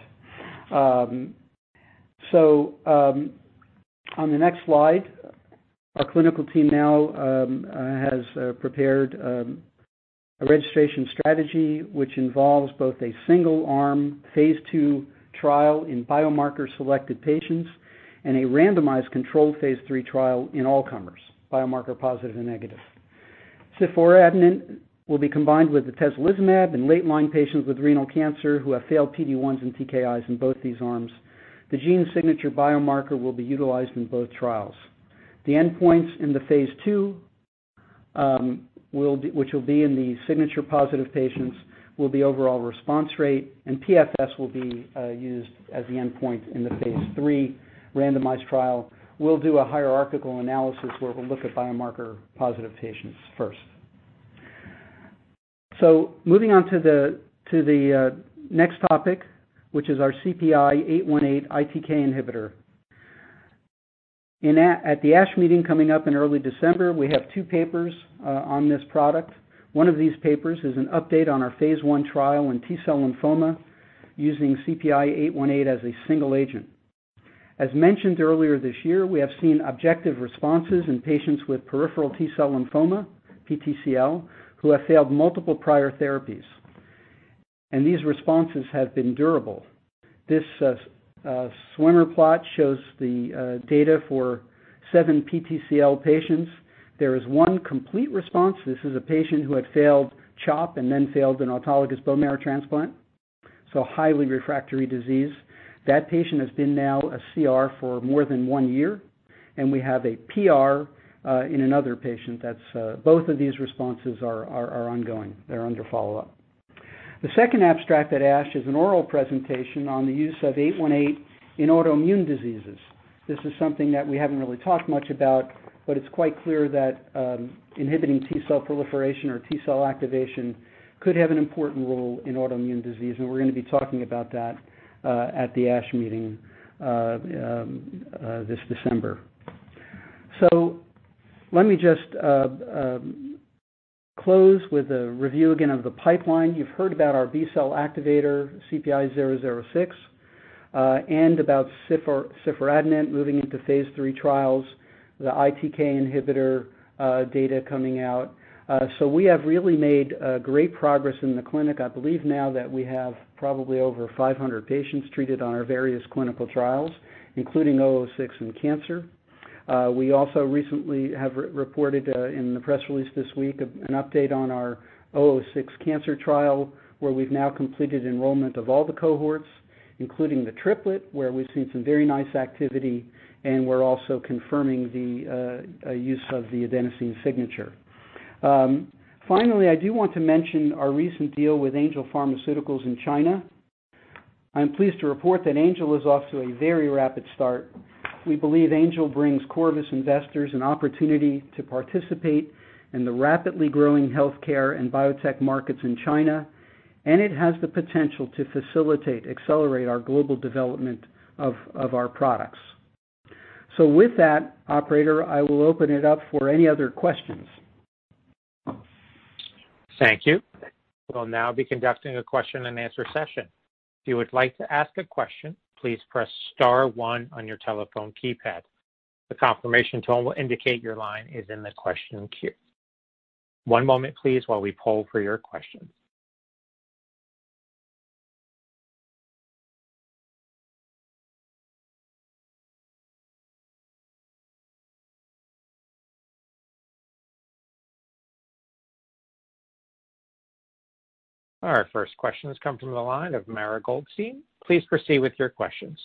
On the next slide, our clinical team now has prepared a registration strategy, which involves both a single-arm phase II trial in biomarker-selected patients and a randomized controlled phase III trial in all comers, biomarker positive and negative. Ciforadenant will be combined with atezolizumab in late-line patients with renal cancer who have failed PD-1s and TKIs in both these arms. The gene signature biomarker will be utilized in both trials. The endpoints in the phase II, which will be in the signature-positive patients, will be overall response rate, PFS will be used as the endpoint in the phase III randomized trial. We'll do a hierarchical analysis where we'll look at biomarker-positive patients first. Moving on to the next topic, which is our CPI-818 ITK inhibitor. At the ASH meeting coming up in early December, we have two papers on this product. One of these papers is an update on our phase I trial in T-cell lymphoma using CPI-818 as a single agent. As mentioned earlier this year, we have seen objective responses in patients with peripheral T-cell lymphoma, PTCL, who have failed multiple prior therapies, and these responses have been durable. This swimmer plot shows the data for seven PTCL patients. There is one complete response. This is a patient who had failed CHOP and then failed an autologous bone marrow transplant, so highly refractory disease. That patient has been now a CR for more than one year, and we have a PR in another patient. Both of these responses are ongoing. They're under follow-up. The second abstract at ASH is an oral presentation on the use of CPI-818 in autoimmune diseases. This is something that we haven't really talked much about, but it's quite clear that inhibiting T-cell proliferation or T-cell activation could have an important role in autoimmune disease, and we're going to be talking about that at the ASH Meeting this December. Let me just close with a review again of the pipeline. You've heard about our B-cell activator, CPI-006, and about ciforadenant moving into phase III trials, the ITK inhibitor data coming out. I believe now that we have probably over 500 patients treated on our various clinical trials, including CPI-006 in cancer. We also recently have reported in the press release this week an update on our CPI-006 cancer trial, where we've now completed enrollment of all the cohorts, including the triplet, where we've seen some very nice activity, and we're also confirming the use of the adenosine gene signature. Finally, I do want to mention our recent deal with Angel Pharmaceuticals in China. I'm pleased to report that Angel is off to a very rapid start. We believe Angel brings Corvus investors an opportunity to participate in the rapidly growing healthcare and biotech markets in China, and it has the potential to facilitate, accelerate our global development of our products. With that, operator, I will open it up for any other questions. Thank you. We'll now be conducting a question-and-answer session. If you would like to ask a question, please press star one on your telephone keypad. The confirmation tone will indicate your line is in the question queue. One moment, please, while we poll for your questions. Our first question has come from the line of Mara Goldstein. Please proceed with your questions.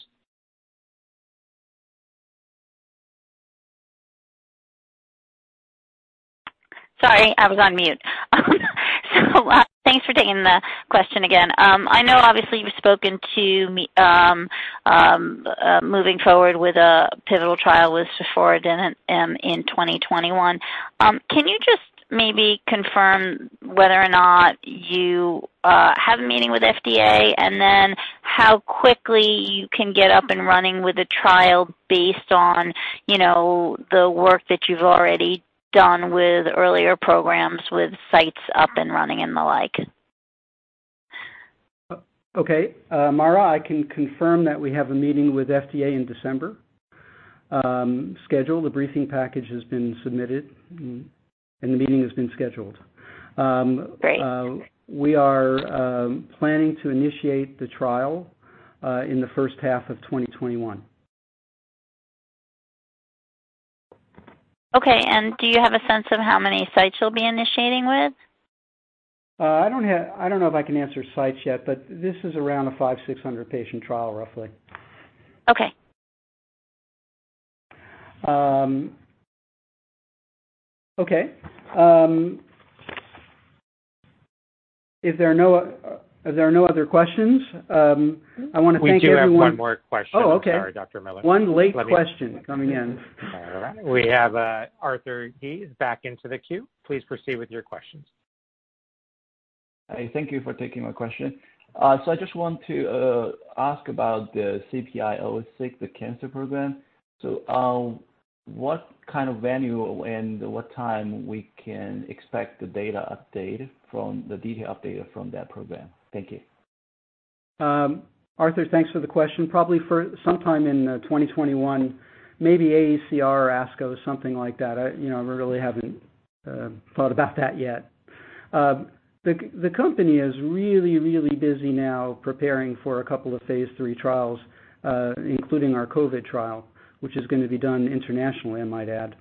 Sorry, I was on mute. Thanks for taking the question again. I know obviously you've spoken to moving forward with a pivotal trial with ciforadenant in 2021. Can you just maybe confirm whether or not you have a meeting with FDA, and then how quickly you can get up and running with a trial based on the work that you've already done with earlier programs with sites up and running and the like? Okay. Mara, I can confirm that we have a meeting with FDA in December scheduled. The briefing package has been submitted, and the meeting has been scheduled. Great. We are planning to initiate the trial in the first half of 2021. Okay, do you have a sense of how many sites you'll be initiating with? I don't know if I can answer sites yet, but this is around a 500- to600-patient trial roughly. Okay. Okay. If there are no other questions, I want to thank everyone. We do have one more question. Oh, okay. for Dr. Miller. One late question coming in. We have Arthur He back into the queue. Please proceed with your questions. Thank you for taking my question. I just want to ask about the CPI-006, the cancer program. What kind of venue and what time we can expect the data update from that program? Thank you. Arthur, thanks for the question. Probably sometime in 2021, maybe AACR or ASCO, something like that. I really haven't thought about that yet. The company is really busy now preparing for a couple of phase III trials, including our COVID trial, which is going to be done internationally, I might add.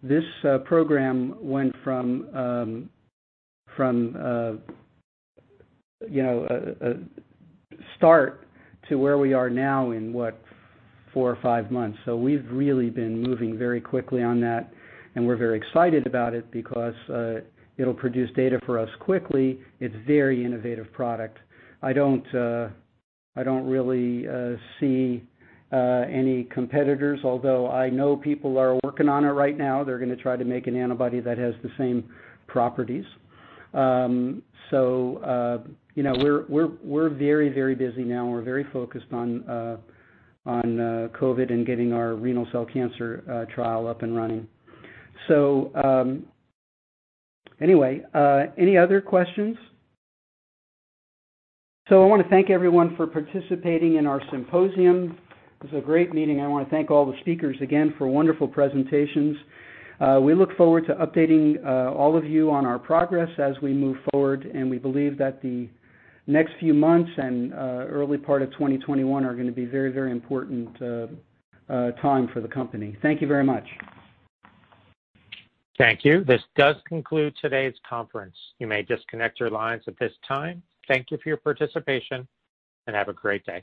This program went from start to where we are now in what? Four or five months. We've really been moving very quickly on that, and we're very excited about it because it'll produce data for us quickly. It's a very innovative product. I don't really see any competitors, although I know people are working on it right now. They're going to try to make an antibody that has the same properties. We're very busy now. We're very focused on COVID and getting our renal cell cancer trial up and running. Anyway, any other questions? I want to thank everyone for participating in our symposium. It was a great meeting. I want to thank all the speakers again for wonderful presentations. We look forward to updating all of you on our progress as we move forward, and we believe that the next few months and early part of 2021 are going to be a very important time for the company. Thank you very much. Thank you. This does conclude today's conference. You may disconnect your lines at this time. Thank you for your participation, and have a great day.